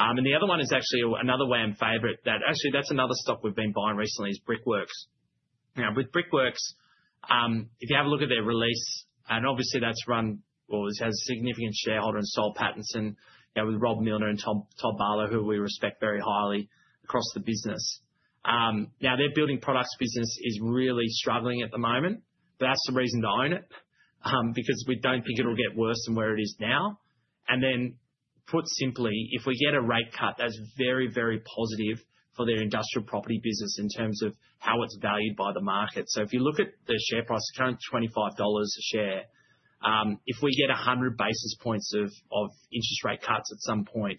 And the other one is actually another WAM favorite that actually that's another stock we've been buying recently is Brickworks. Now, with Brickworks, if you have a look at their release, and obviously that's run or has significant shareholder and Soul Pattinson, and with Rob Milner and Todd Barlow, who we respect very highly across the business. Now, their building products business is really struggling at the moment, but that's the reason to own it because we don't think it'll get worse than where it is now. And then put simply, if we get a rate cut, that's very, very positive for their industrial property business in terms of how it's valued by the market. So if you look at the share price, current AUD 25 a share, if we get 100 basis points of interest rate cuts at some point,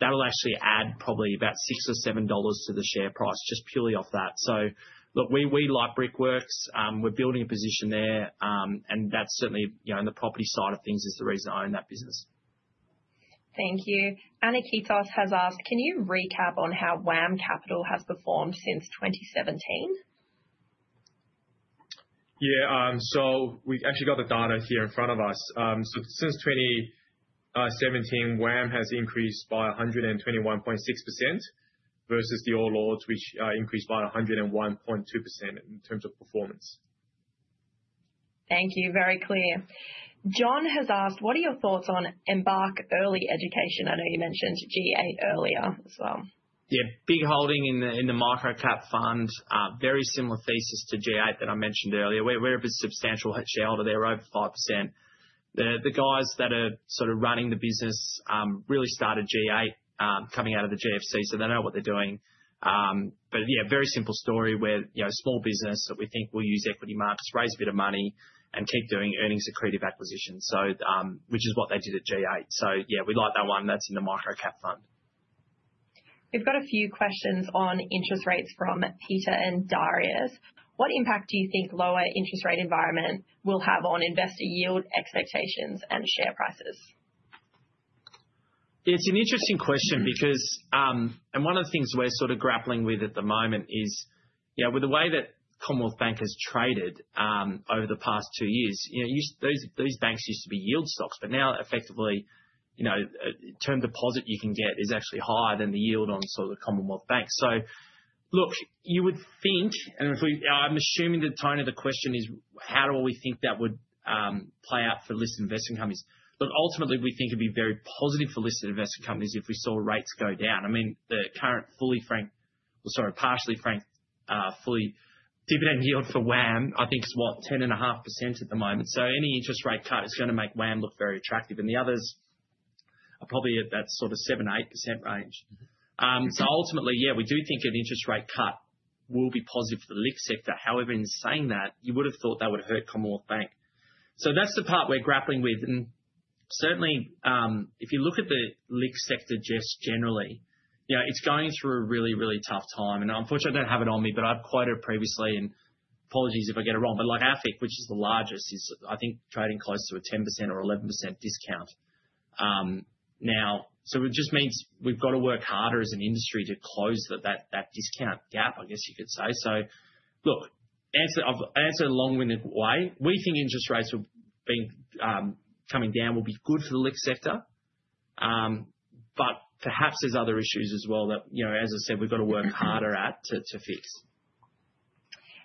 that'll actually add probably about 6 or 7 dollars to the share price just purely off that. So look, we like Brickworks. We're building a position there, and that's certainly, on the property side of things, the reason I own that business. Thank you. Anna Kitos has asked, can you recap on how WAM Capital has performed since 2017? Yeah. We actually got the data here in front of us. Since 2017, WAM has increased by 121.6% versus the All Ordinaries, which increased by 101.2% in terms of performance. Thank you. Very clear. John has asked, what are your thoughts on Embark Early Education? I know you mentioned G8 earlier as well. Yeah. Big holding in the Microcap Fund, very similar thesis to G8 that I mentioned earlier. We're a bit substantial shareholder there, over 5%. The guys that are sort of running the business really started G8 coming out of the GFC, so they know what they're doing. But yeah, very simple story where small business that we think will use equity markets, raise a bit of money, and keep doing earnings accretive acquisitions, which is what they did at G8. So yeah, we like that one that's in the Microcap Fund. We've got a few questions on interest rates from Peter and Darius. What impact do you think lower interest rate environment will have on investor yield expectations and share prices? It's an interesting question because, and one of the things we're sort of grappling with at the moment is with the way that Commonwealth Bank has traded over the past two years. Those banks used to be yield stocks, but now effectively term deposit you can get is actually higher than the yield on sort of Commonwealth Bank. So look, you would think, and I'm assuming the tone of the question is, how do we think that would play out for listed investment companies? Look, ultimately, we think it'd be very positive for listed investment companies if we saw rates go down. I mean, the current fully franked, sorry, partially franked, fully dividend yield for WAM, I think is what, 10.5% at the moment. So any interest rate cut is going to make WAM look very attractive, and the others are probably at that sort of 7%, 8% range. So ultimately, yeah, we do think an interest rate cut will be positive for the LIC sector. However, in saying that, you would have thought that would hurt Commonwealth Bank. So that's the part we're grappling with. And certainly, if you look at the LIC sector just generally, it's going through a really, really tough time. And unfortunately, I don't have it on me, but I've quoted it previously, and apologies if I get it wrong, but like AFIC, which is the largest, is I think trading close to a 10% or 11% discount now. So it just means we've got to work harder as an industry to close that discount gap, I guess you could say. So look, answered a long-winded way. We think interest rates coming down will be good for the LIC sector, but perhaps there's other issues as well that, as I said, we've got to work harder at to fix.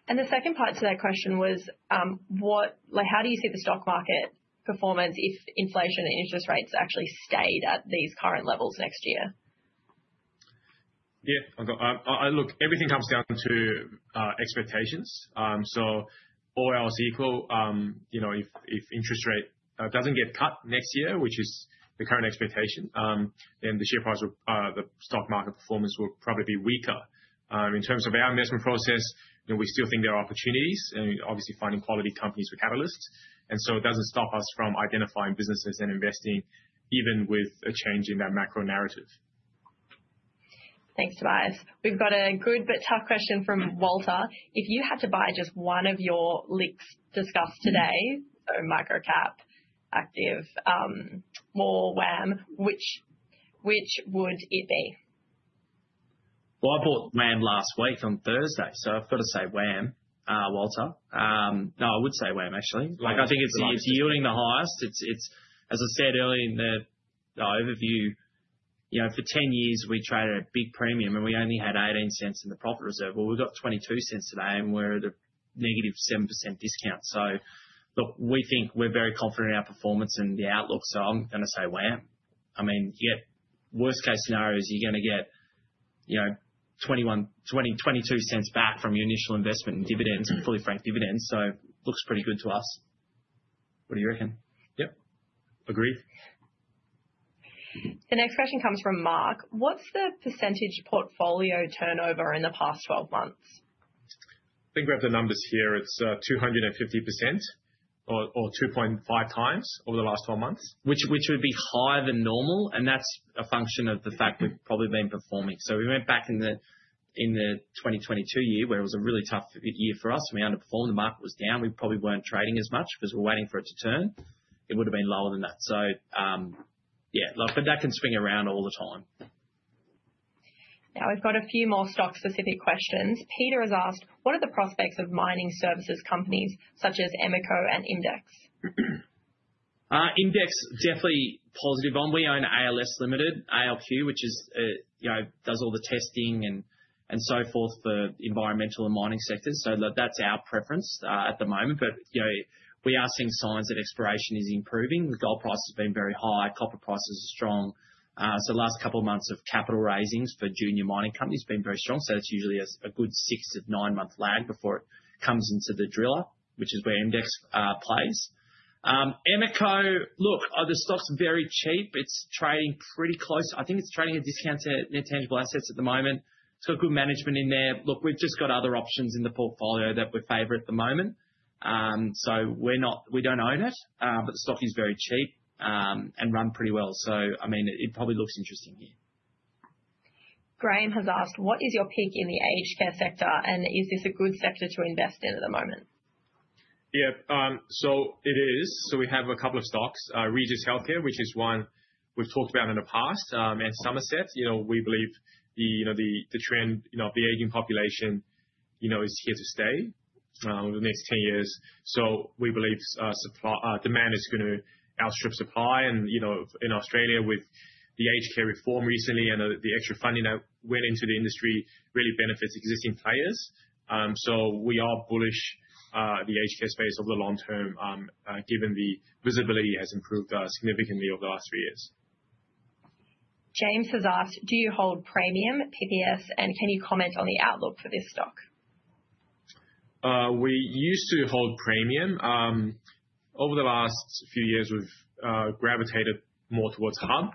The second part to that question was, how do you see the stock market performance if inflation and interest rates actually stayed at these current levels next year? Yeah. Look, everything comes down to expectations, so all else equal, if interest rate doesn't get cut next year, which is the current expectation, then the share price, the stock market performance will probably be weaker. In terms of our investment process, we still think there are opportunities and obviously finding quality companies with catalysts, and so it doesn't stop us from identifying businesses and investing even with a change in that macro narrative. Thanks, Tobias. We've got a good but tough question from Walter. If you had to buy just one of your LICs discussed today, so Micro Cap, Active, or WAM, which would it be? I bought WAM last week on Thursday, so I've got to say WAM, Walter. No, I would say WAM, actually. I think it's yielding the highest. As I said earlier in the overview, for 10 years, we traded at big premium and we only had 0.18 in the profit reserve, and we've got 0.22 today and we're at a negative 7% discount. Look, we think we're very confident in our performance and the outlook, so I'm going to say WAM. I mean, in the worst-case scenario is you're going to get 0.22 back from your initial investment in dividends and fully franked dividends. It looks pretty good to us. What do you reckon? Yep. Agreed. The next question comes from Mark. What's the percentage portfolio turnover in the past 12 months? I think we have the numbers here. It's 250% or 2.5 times over the last 12 months, which would be higher than normal, and that's a function of the fact we've probably been performing. So we went back in the 2022 year where it was a really tough year for us. We underperformed. The market was down. We probably weren't trading as much because we're waiting for it to turn. It would have been lower than that. So yeah, but that can swing around all the time. Now we've got a few more stock-specific questions. Peter has asked, what are the prospects of mining services companies such as Emeco and Imdex? Imdex, definitely positive. We own ALS Limited, ALQ, which does all the testing and so forth for the environmental and mining sectors. So that's our preference at the moment. But we are seeing signs that exploration is improving. The gold price has been very high. Copper prices are strong. So last couple of months of capital raisings for junior mining companies have been very strong. So it's usually a good six to nine-month lag before it comes into the driller, which is where Imdex plays. Emeco, look, the stock's very cheap. It's trading pretty close. I think it's trading at discount net tangible assets at the moment. It's got good management in there. Look, we've just got other options in the portfolio that we favor at the moment. So we don't own it, but the stock is very cheap and run pretty well. So I mean, it probably looks interesting here. Graham has asked, what is your pick in the aged care sector, and is this a good sector to invest in at the moment? Yeah, so it is, so we have a couple of stocks, Regis Healthcare, which is one we've talked about in the past, and Summerset. We believe the trend of the aging population is here to stay over the next 10 years, so we believe demand is going to outstrip supply. And in Australia, with the aged care reform recently and the extra funding that went into the industry, really benefits existing players, so we are bullish on the aged care space over the long term given the visibility has improved significantly over the last three years. James has asked, do you hold Praemium PPS, and can you comment on the outlook for this stock? We used to hold Premium. Over the last few years, we've gravitated more towards Hub,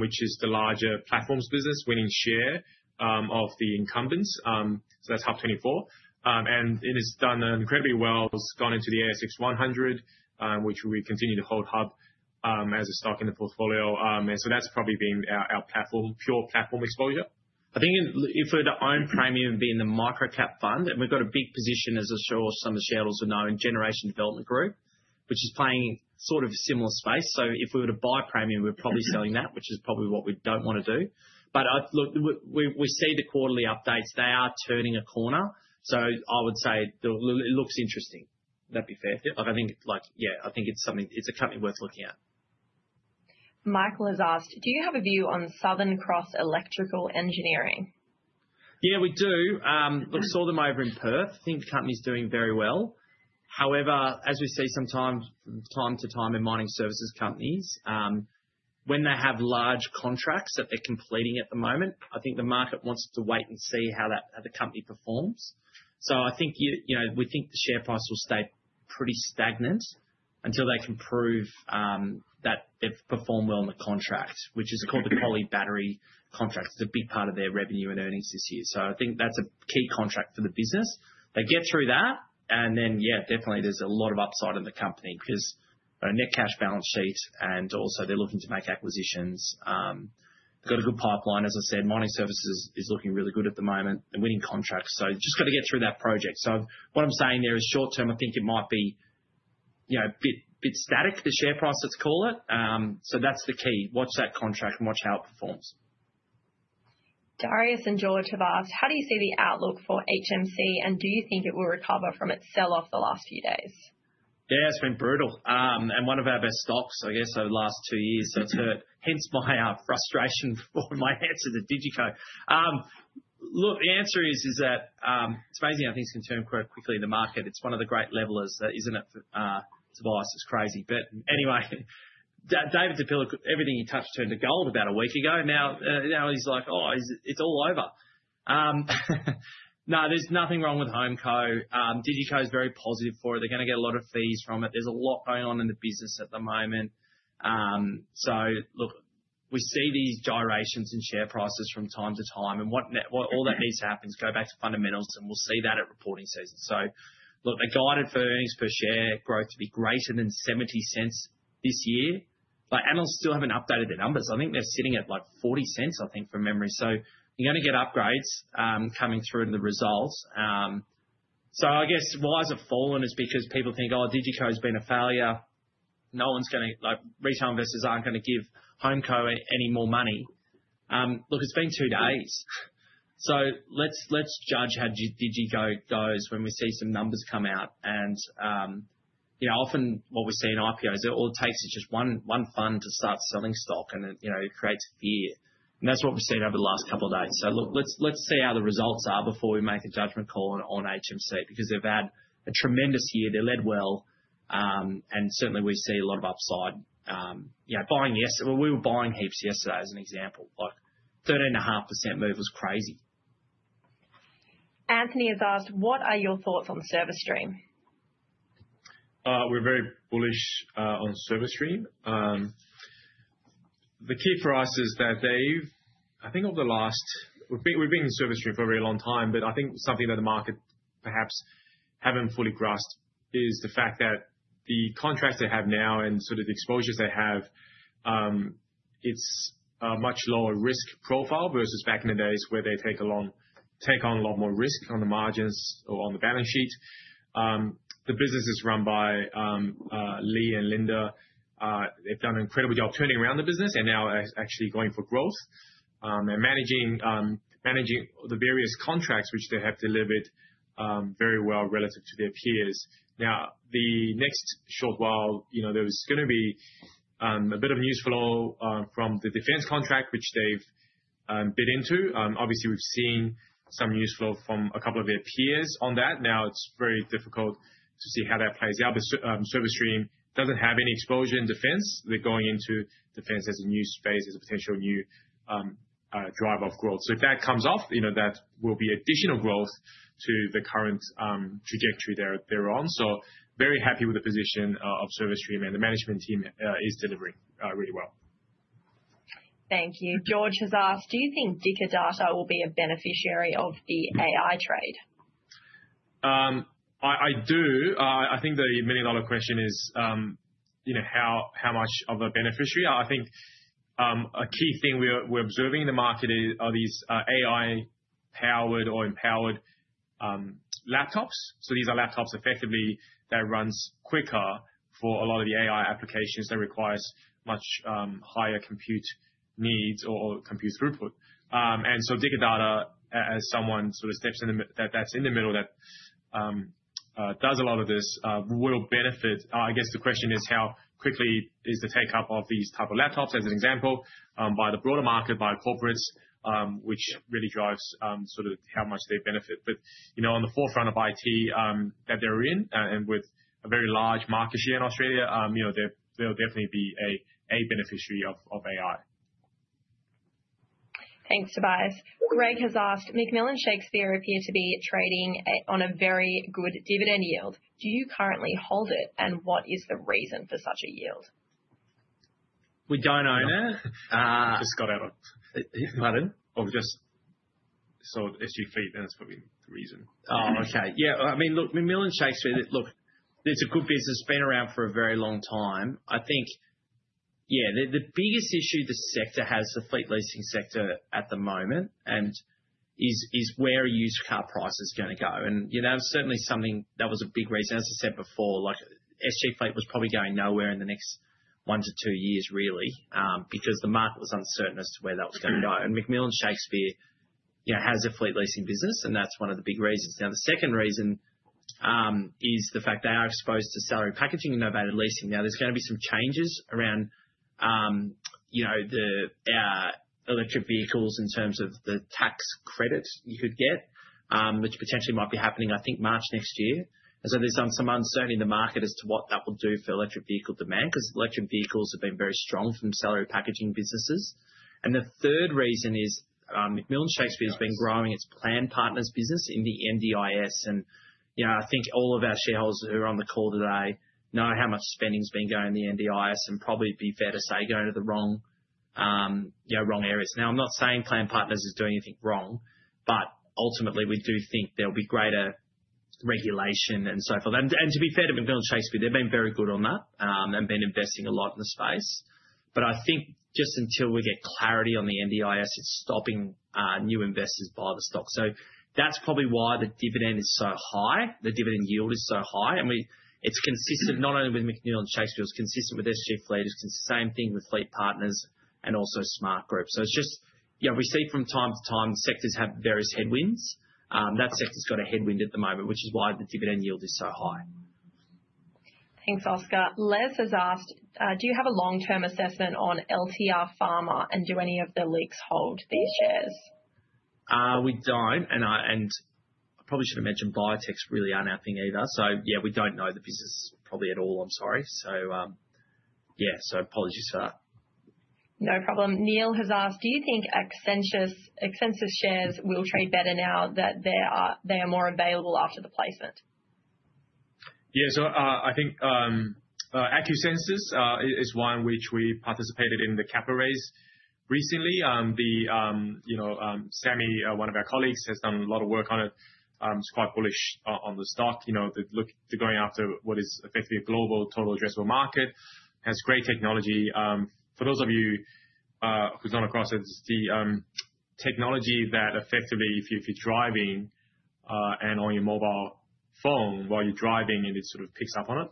which is the larger platforms business, winning share of the incumbents. So that's Hub24. And it has done incredibly well. It's gone into the ASX 100, which we continue to hold Hub as a stock in the portfolio. And so that's probably been our pure platform exposure. I think if we were to own Premium being the Microcap Fund, and we've got a big position, as I'm sure some of the shareholders will know, in Generation Development Group, which is playing sort of a similar space. So if we were to buy Premium, we're probably selling that, which is probably what we don't want to do. But look, we see the quarterly updates. They are turning a corner. So I would say it looks interesting. That'd be fair. I think, yeah, I think it's something it's a company worth looking at. Michael has asked, do you have a view on Southern Cross Electrical Engineering? Yeah, we do. Look, saw them over in Perth. I think the company's doing very well. However, as we see from time to time in mining services companies, when they have large contracts that they're completing at the moment, I think the market wants to wait and see how the company performs. So I think we think the share price will stay pretty stagnant until they can prove that they've performed well in the contract, which is called the Collie Battery contract. It's a big part of their revenue and earnings this year. So I think that's a key contract for the business. They get through that, and then, yeah, definitely there's a lot of upside in the company because net cash balance sheet, and also they're looking to make acquisitions. They've got a good pipeline. As I said, mining services is looking really good at the moment. They're winning contracts. So just got to get through that project. So what I'm saying there is short term, I think it might be a bit static, the share price, let's call it. So that's the key. Watch that contract and watch how it performs. Darius and George have asked, how do you see the outlook for HMC, and do you think it will recover from its sell-off the last few days? Yeah, it's been brutal. And one of our best stocks, I guess, over the last two years. So it's hurt. Hence my frustration for my answer to DigiCo. Look, the answer is that it's amazing how things can turn quite quickly in the market. It's one of the great levelers, isn't it? Tobias, it's crazy. But anyway, David Di Pilla, everything he touched turned to gold about a week ago. Now he's like, "Oh, it's all over." No, there's nothing wrong with HomeCo. DigiCo is very positive for it. They're going to get a lot of fees from it. There's a lot going on in the business at the moment. So look, we see these gyrations in share prices from time to time. And what all that needs to happen is go back to fundamentals, and we'll see that at reporting season. So look, they guided for earnings per share growth to be greater than 0.70 this year. But analysts still haven't updated their numbers. I think they're sitting at like 0.40, I think, from memory. So you're going to get upgrades coming through in the results. So I guess why has it fallen is because people think, "Oh, DigiCo has been a failure. No one's going to. Retail investors aren't going to give HomeCo any more money." Look, it's been two days. So let's judge how DigiCo goes when we see some numbers come out. And often what we see in IPOs, it all takes just one fund to start selling stock, and it creates fear. And that's what we've seen over the last couple of days. So look, let's see how the results are before we make a judgment call on HMC because they've had a tremendous year. They led well, and certainly, we see a lot of upside. Buying yesterday, we were buying heaps yesterday, as an example. Look, 13.5% move was crazy. Anthony has asked, what are your thoughts on Service Stream? We're very bullish on Service Stream. The key for us is that they've, I think over the last, we've been in Service Stream for a very long time, but I think something that the market perhaps haven't fully grasped is the fact that the contracts they have now and sort of the exposures they have, it's a much lower risk profile versus back in the days where they take on a lot more risk on the margins or on the balance sheet. The business is run by Leigh and Linda. They've done an incredible job turning around the business and now actually going for growth and managing the various contracts, which they have delivered very well relative to their peers. Now, the next short while, there was going to be a bit of news flow from the defense contract, which they've bid into. Obviously, we've seen some news flow from a couple of their peers on that. Now, it's very difficult to see how that plays out. But Service Stream doesn't have any exposure in defense. They're going into defense as a new space, as a potential new drive of growth. So if that comes off, that will be additional growth to the current trajectory they're on. So very happy with the position of Service Stream, and the management team is delivering really well. Thank you. George has asked, do you think Dicker Data will be a beneficiary of the AI trade? I do. I think the million-dollar question is how much of a beneficiary. I think a key thing we're observing in the market are these AI-powered or empowered laptops. So these are laptops effectively that run quicker for a lot of the AI applications that require much higher compute needs or compute throughput. And so Dicker Data, as someone sort of steps in that's in the middle that does a lot of this, will benefit. I guess the question is how quickly is the take-up of these types of laptops, as an example, by the broader market, by corporates, which really drives sort of how much they benefit. But on the forefront of IT that they're in, and with a very large market share in Australia, they'll definitely be a beneficiary of AI. Thanks, Tobias. Greg has asked, McMillan Shakespeare appear to be trading on a very good dividend yield. Do you currently hold it, and what is the reason for such a yield? We don't own it. Just got out of Pardon? Or just saw SUV, then that's probably the reason. Oh, okay. Yeah. I mean, look, McMillan Shakespeare, look, it's a good business. It's been around for a very long time. I think, yeah, the biggest issue the sector has, the fleet leasing sector at the moment, is where used car price is going to go. And that was certainly something that was a big reason. As I said before, SG Fleet was probably going nowhere in the next one to two years, really, because the market was uncertain as to where that was going to go. And McMillan Shakespeare has a fleet leasing business, and that's one of the big reasons. Now, the second reason is the fact they are exposed to salary packaging and novated leasing. Now, there's going to be some changes around our electric vehicles in terms of the tax credit you could get, which potentially might be happening, I think, March next year. And so there's some uncertainty in the market as to what that will do for electric vehicle demand because electric vehicles have been very strong from salary packaging businesses. And the third reason is McMillan Shakespeare has been growing its Plan Partners business in the NDIS. And I think all of our shareholders who are on the call today know how much spending has been going in the NDIS, and probably be fair to say going to the wrong areas. Now, I'm not saying Plan Partners is doing anything wrong, but ultimately, we do think there'll be greater regulation and so forth. And to be fair to McMillan Shakespeare, they've been very good on that and been investing a lot in the space. But I think just until we get clarity on the NDIS, it's stopping new investors buy the stock. So that's probably why the dividend is so high. The dividend yield is so high. And it's consistent not only with McMillan Shakespeare, it's consistent with SG Fleet. It's the same thing with FleetPartners and also Smartgroup. So it's just we see from time to time sectors have various headwinds. That sector's got a headwind at the moment, which is why the dividend yield is so high. Thanks, Oscar. Les has asked, do you have a long-term assessment on LTR Pharma and do any of the LICs hold these shares? We don't. And I probably should have mentioned, biotechs really aren't our thing either. So yeah, we don't know the business probably at all. I'm sorry. So yeah, so apologies for that. No problem. Neil has asked, do you think Acusensus' shares will trade better now that they are more available after the placement? Yeah. So I think Acusensus is one which we participated in the cap raise recently. Sammy, one of our colleagues, has done a lot of work on it. It's quite bullish on the stock. They're going after what is effectively a global total addressable market. It has great technology. For those of you who've gone across it, it's the technology that effectively, if you're driving and on your mobile phone while you're driving, and it sort of picks up on it,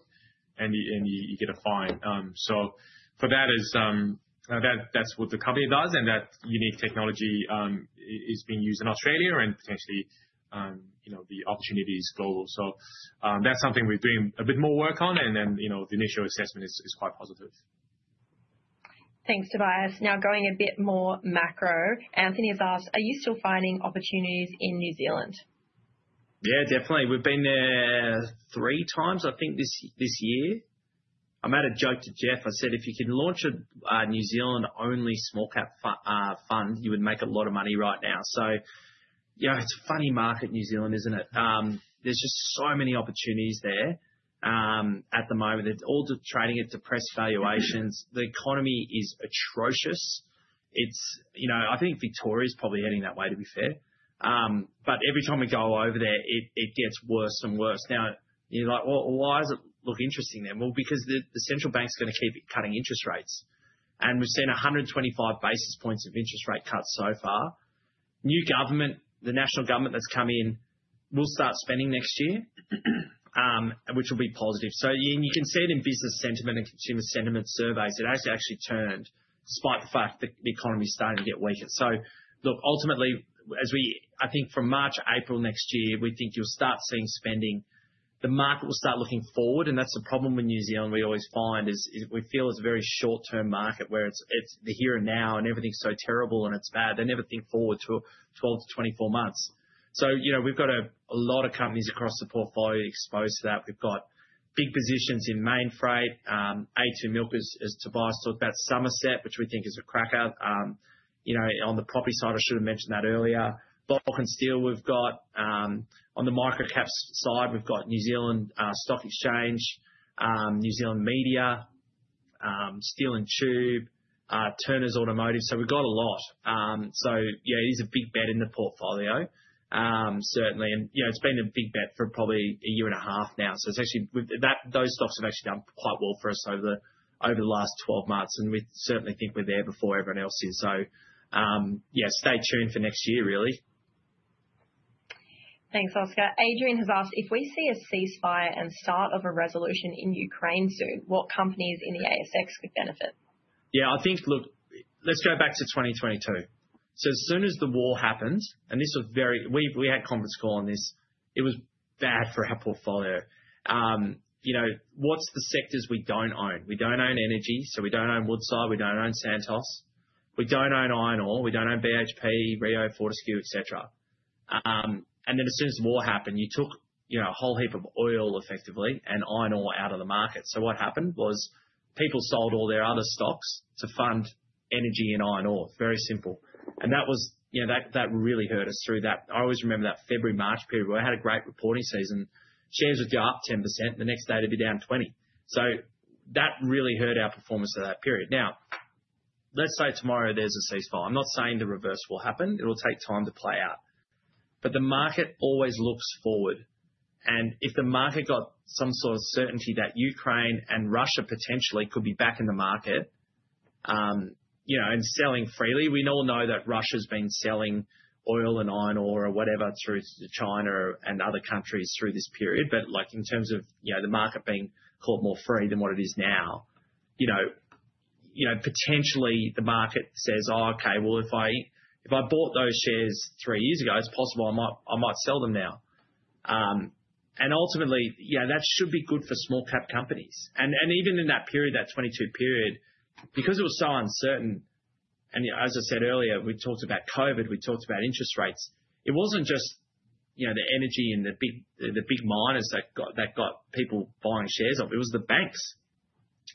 and you get a fine. So for that, that's what the company does. And that unique technology is being used in Australia and potentially the opportunity is global. So that's something we're doing a bit more work on. And the initial assessment is quite positive. Thanks, Tobias. Now, going a bit more macro, Anthony has asked, are you still finding opportunities in New Zealand? Yeah, definitely. We've been there three times, I think, this year. I made a joke to Jeff. I said, if you could launch a New Zealand-only small-cap fund, you would make a lot of money right now. So it's a funny market, New Zealand, isn't it? There's just so many opportunities there at the moment. They're all trading at depressed valuations. The economy is atrocious. I think Victoria is probably heading that way, to be fair. But every time we go over there, it gets worse and worse. Now, you're like, well, why does it look interesting then? Well, because the central bank's going to keep cutting interest rates. And we've seen 125 basis points of interest rate cuts so far. New government, the national government that's come in, will start spending next year, which will be positive. So you can see it in business sentiment and consumer sentiment surveys. It has actually turned despite the fact that the economy's starting to get weaker. So look, ultimately, I think from March to April next year, we think you'll start seeing spending. The market will start looking forward, and that's the problem with New Zealand we always find is we feel it's a very short-term market where it's the here and now, and everything's so terrible and it's bad. They never think forward to 12 to 24 months. So we've got a lot of companies across the portfolio exposed to that. We've got big positions in Mainfreight. A2 Milk, as Tobias talked about, Summerset, which we think is a cracker. On the property side, I should have mentioned that earlier. Bulk and steel, we've got. On the microcaps side, we've got New Zealand Stock Exchange, New Zealand Media, Steel & Tube, Turners Automotive. So we've got a lot. So yeah, it is a big bet in the portfolio, certainly. And it's been a big bet for probably a year and a half now. So those stocks have actually done quite well for us over the last 12 months. And we certainly think we're there before everyone else is. So yeah, stay tuned for next year, really. Thanks, Oscar. Adrian has asked, if we see a ceasefire and start of a resolution in Ukraine soon, what companies in the ASX could benefit? Yeah, I think, look, let's go back to 2022. So as soon as the war happened, and this was very we had a conference call on this. It was bad for our portfolio. What's the sectors we don't own? We don't own energy. So we don't own Woodside. We don't own Santos. We don't own iron ore. We don't own BHP, Rio, Fortescue, etc. And then as soon as the war happened, you took a whole heap of oil, effectively, and iron ore out of the market. So what happened was people sold all their other stocks to fund energy and iron ore. Very simple. And that really hurt us through that. I always remember that February, March period where we had a great reporting season. Shares would go up 10%. The next day, they'd be down 20%. So that really hurt our performance of that period. Now, let's say tomorrow there's a ceasefire. I'm not saying the reverse will happen. It'll take time to play out, but the market always looks forward, and if the market got some sort of certainty that Ukraine and Russia potentially could be back in the market and selling freely, we all know that Russia's been selling oil and iron ore or whatever through China and other countries through this period, but in terms of the market being back more freely than what it is now, potentially the market says, "Oh, okay. Well, if I bought those shares three years ago, it's possible I might sell them now," and ultimately, that should be good for small-cap companies, even in that period, that 2022 period, because it was so uncertain, and as I said earlier, we talked about COVID. We talked about interest rates. It wasn't just the energy and the big miners that got people buying shares of it. It was the banks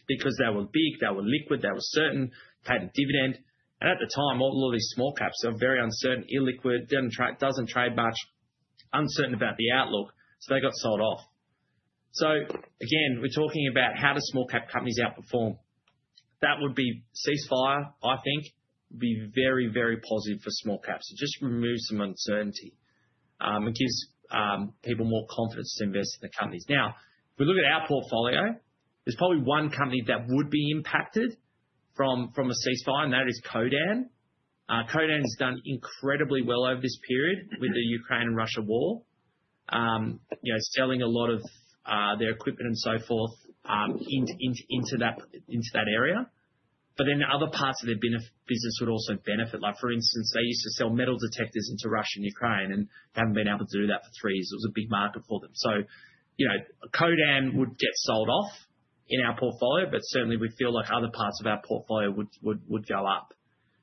because they were big. They were liquid. They were certain. They had a dividend. And at the time, all of these small caps are very uncertain, illiquid, doesn't trade much, uncertain about the outlook. So they got sold off. So again, we're talking about how do small-cap companies outperform? That would be ceasefire, I think, would be very, very positive for small caps. It just removes some uncertainty. It gives people more confidence to invest in the companies. Now, if we look at our portfolio, there's probably one company that would be impacted from a ceasefire, and that is Codan. Codan has done incredibly well over this period with the Ukraine and Russia war, selling a lot of their equipment and so forth into that area. But then other parts of their business would also benefit. For instance, they used to sell metal detectors into Russia and Ukraine, and they haven't been able to do that for three years. It was a big market for them. So Codan would get sold off in our portfolio, but certainly, we feel like other parts of our portfolio would go up.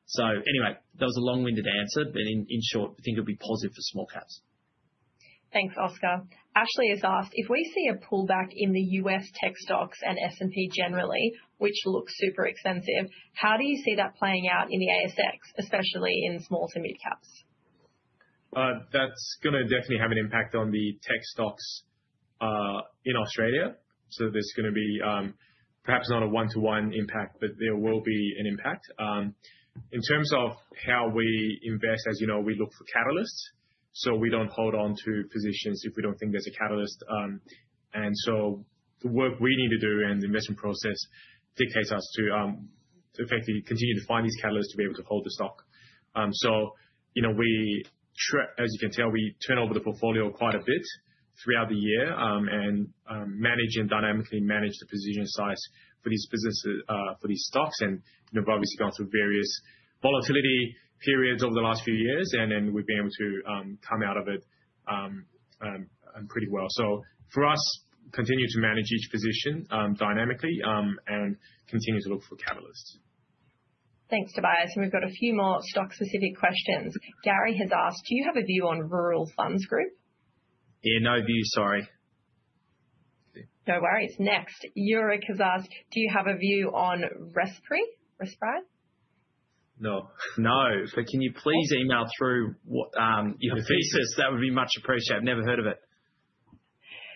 So anyway, that was a long-winded answer. But in short, I think it would be positive for small caps. Thanks, Oscar. Ashley has asked, if we see a pullback in the U.S. tech stocks and S&P generally, which looks super expensive, how do you see that playing out in the ASX, especially in small to mid-caps? That's going to definitely have an impact on the tech stocks in Australia. So there's going to be perhaps not a one-to-one impact, but there will be an impact. In terms of how we invest, as you know, we look for catalysts. So we don't hold on to positions if we don't think there's a catalyst. And so the work we need to do and the investment process dictates us to effectively continue to find these catalysts to be able to hold the stock. So as you can tell, we turn over the portfolio quite a bit throughout the year and dynamically manage the position size for these stocks. And we've obviously gone through various volatility periods over the last few years, and we've been able to come out of it pretty well. So for us, continue to manage each position dynamically and continue to look for catalysts. Thanks, Tobias. And we've got a few more stock-specific questions. Gary has asked, Do you have a view on Rural Funds Group? Yeah, no view, sorry. No worries. Next, Yorick has asked, do you have a view on Respiri? No. No, but can you please email through your thesis? That would be much appreciated. I've never heard of it.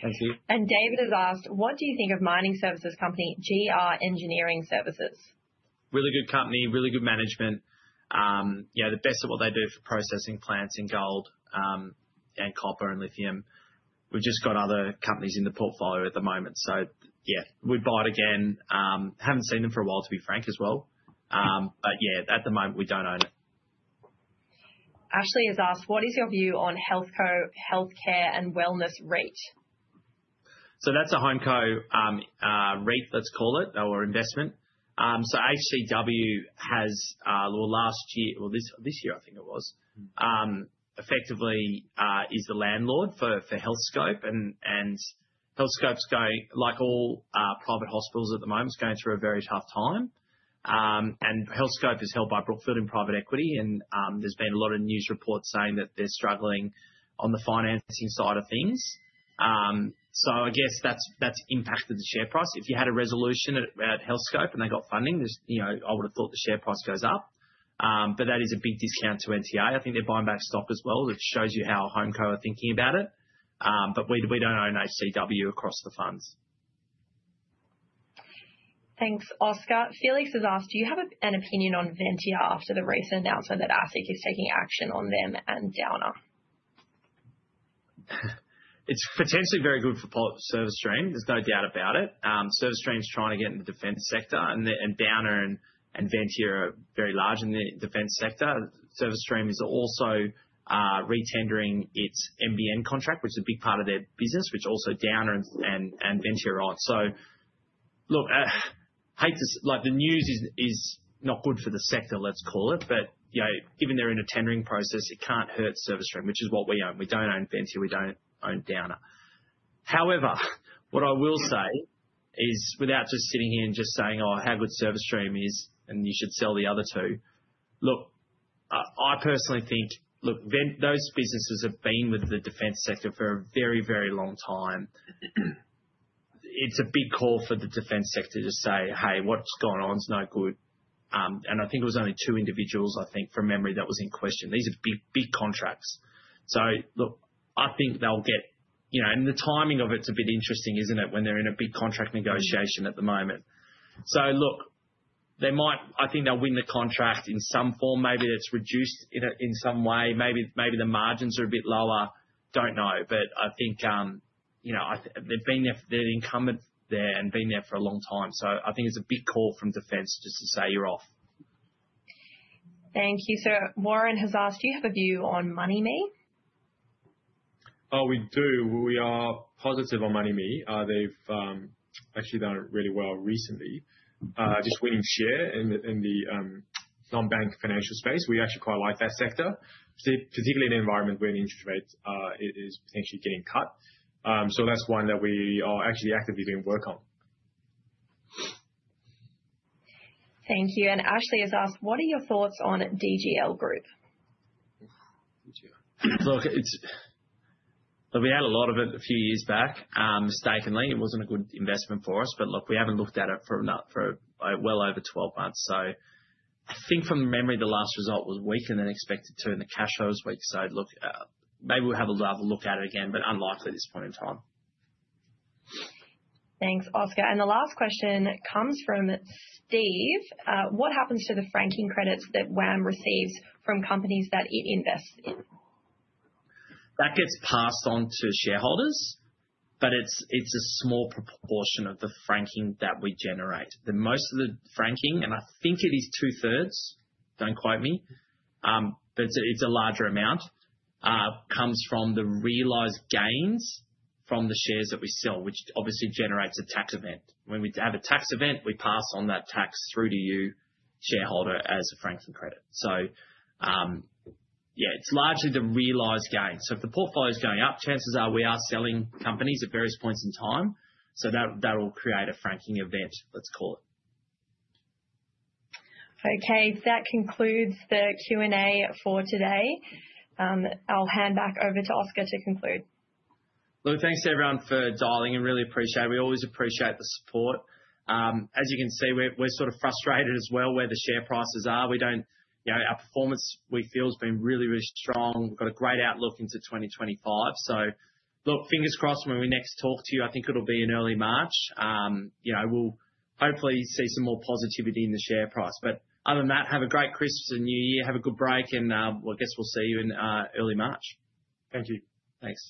Thanks, Pete. David has asked, what do you think of mining services company GR Engineering Services? Really good company, really good management. Yeah, they're best at what they do for processing plants in gold and copper and lithium. We've just got other companies in the portfolio at the moment. So yeah, we'd buy it again. Haven't seen them for a while, to be frank, as well. But yeah, at the moment, we don't own it. Ashley has asked, what is your view on HealthCo Healthcare and Wellness REIT? That's a HomeCo REIT, let's call it, or investment. HCW has, well, last year or this year, I think it was, effectively is the landlord for Healthscope. Healthscope's going, like all private hospitals at the moment, through a very tough time. Healthscope is held by Brookfield and private equity. There's been a lot of news reports saying that they're struggling on the financing side of things. I guess that's impacted the share price. If you had a resolution at Healthscope and they got funding, I would have thought the share price goes up, but that is a big discount to NTA. I think they're buying back stock as well, which shows you how HomeCo are thinking about it. We don't own HCW across the funds. Thanks, Oscar. Felix has asked, do you have an opinion on Ventia after the recent announcement that ACCC is taking action on them and Downer? It's potentially very good for Service Stream. There's no doubt about it. Service Stream's trying to get into the defense sector, and Downer and Ventia are very large in the defense sector. Service Stream is also re-tendering its MBN contract, which is a big part of their business, which also Downer and Ventia are on. So look, the news is not good for the sector, let's call it, but given they're in a tendering process, it can't hurt Service Stream, which is what we own. We don't own Ventia. We don't own Downer. However, what I will say is, without just sitting here and just saying, "Oh, how good Service Stream is, and you should sell the other two." Look, I personally think, look, those businesses have been with the defense sector for a very, very long time. It's a big call for the defense sector to say, "Hey, what's going on? It's no good," and I think it was only two individuals, I think, from memory that was in question. These are big contracts. So look, I think they'll get it and the timing of it is a bit interesting, isn't it, when they're in a big contract negotiation at the moment. So look, I think they'll win the contract in some form. Maybe it's reduced in some way. Maybe the margins are a bit lower. Don't know. But I think they've been there. They're incumbent there and been there for a long time. So I think it's a big call from defense just to say you're off. Thank you. So Warren has asked, do you have a view on MoneyMe? Oh, we do. We are positive on MoneyMe. They've actually done it really well recently, just winning share in the non-bank financial space. We actually quite like that sector, particularly in an environment where interest rate is potentially getting cut. So that's one that we are actually actively doing work on. Thank you. And Ashley has asked, what are your thoughts on DGL Group? Look, we had a lot of it a few years back, mistakenly. It wasn't a good investment for us. But look, we haven't looked at it for well over 12 months. So I think from memory, the last result was weaker than expected too, and the cash flow was weak. So look, maybe we'll have a look at it again, but unlikely at this point in time. Thanks, Oscar. And the last question comes from Steve. What happens to the franking credits that WAM receives from companies that it invests in? That gets passed on to shareholders, but it's a small proportion of the franking that we generate. Most of the franking, and I think it is two-thirds, don't quote me, but it's a larger amount, comes from the realized gains from the shares that we sell, which obviously generates a tax event. When we have a tax event, we pass on that tax through to you, shareholder, as a franking credit. So yeah, it's largely the realized gains. So if the portfolio is going up, chances are we are selling companies at various points in time. So that will create a franking event, let's call it. Okay. That concludes the Q&A for today. I'll hand back over to Oscar to conclude. Look, thanks to everyone for dialing. We really appreciate it. We always appreciate the support. As you can see, we're sort of frustrated as well where the share prices are. Our performance, we feel, has been really, really strong. We've got a great outlook into 2025. So look, fingers crossed when we next talk to you, I think it'll be in early March. We'll hopefully see some more positivity in the share price. But other than that, have a great Christmas and New Year. Have a good break. And I guess we'll see you in early March. Thank you. Thanks.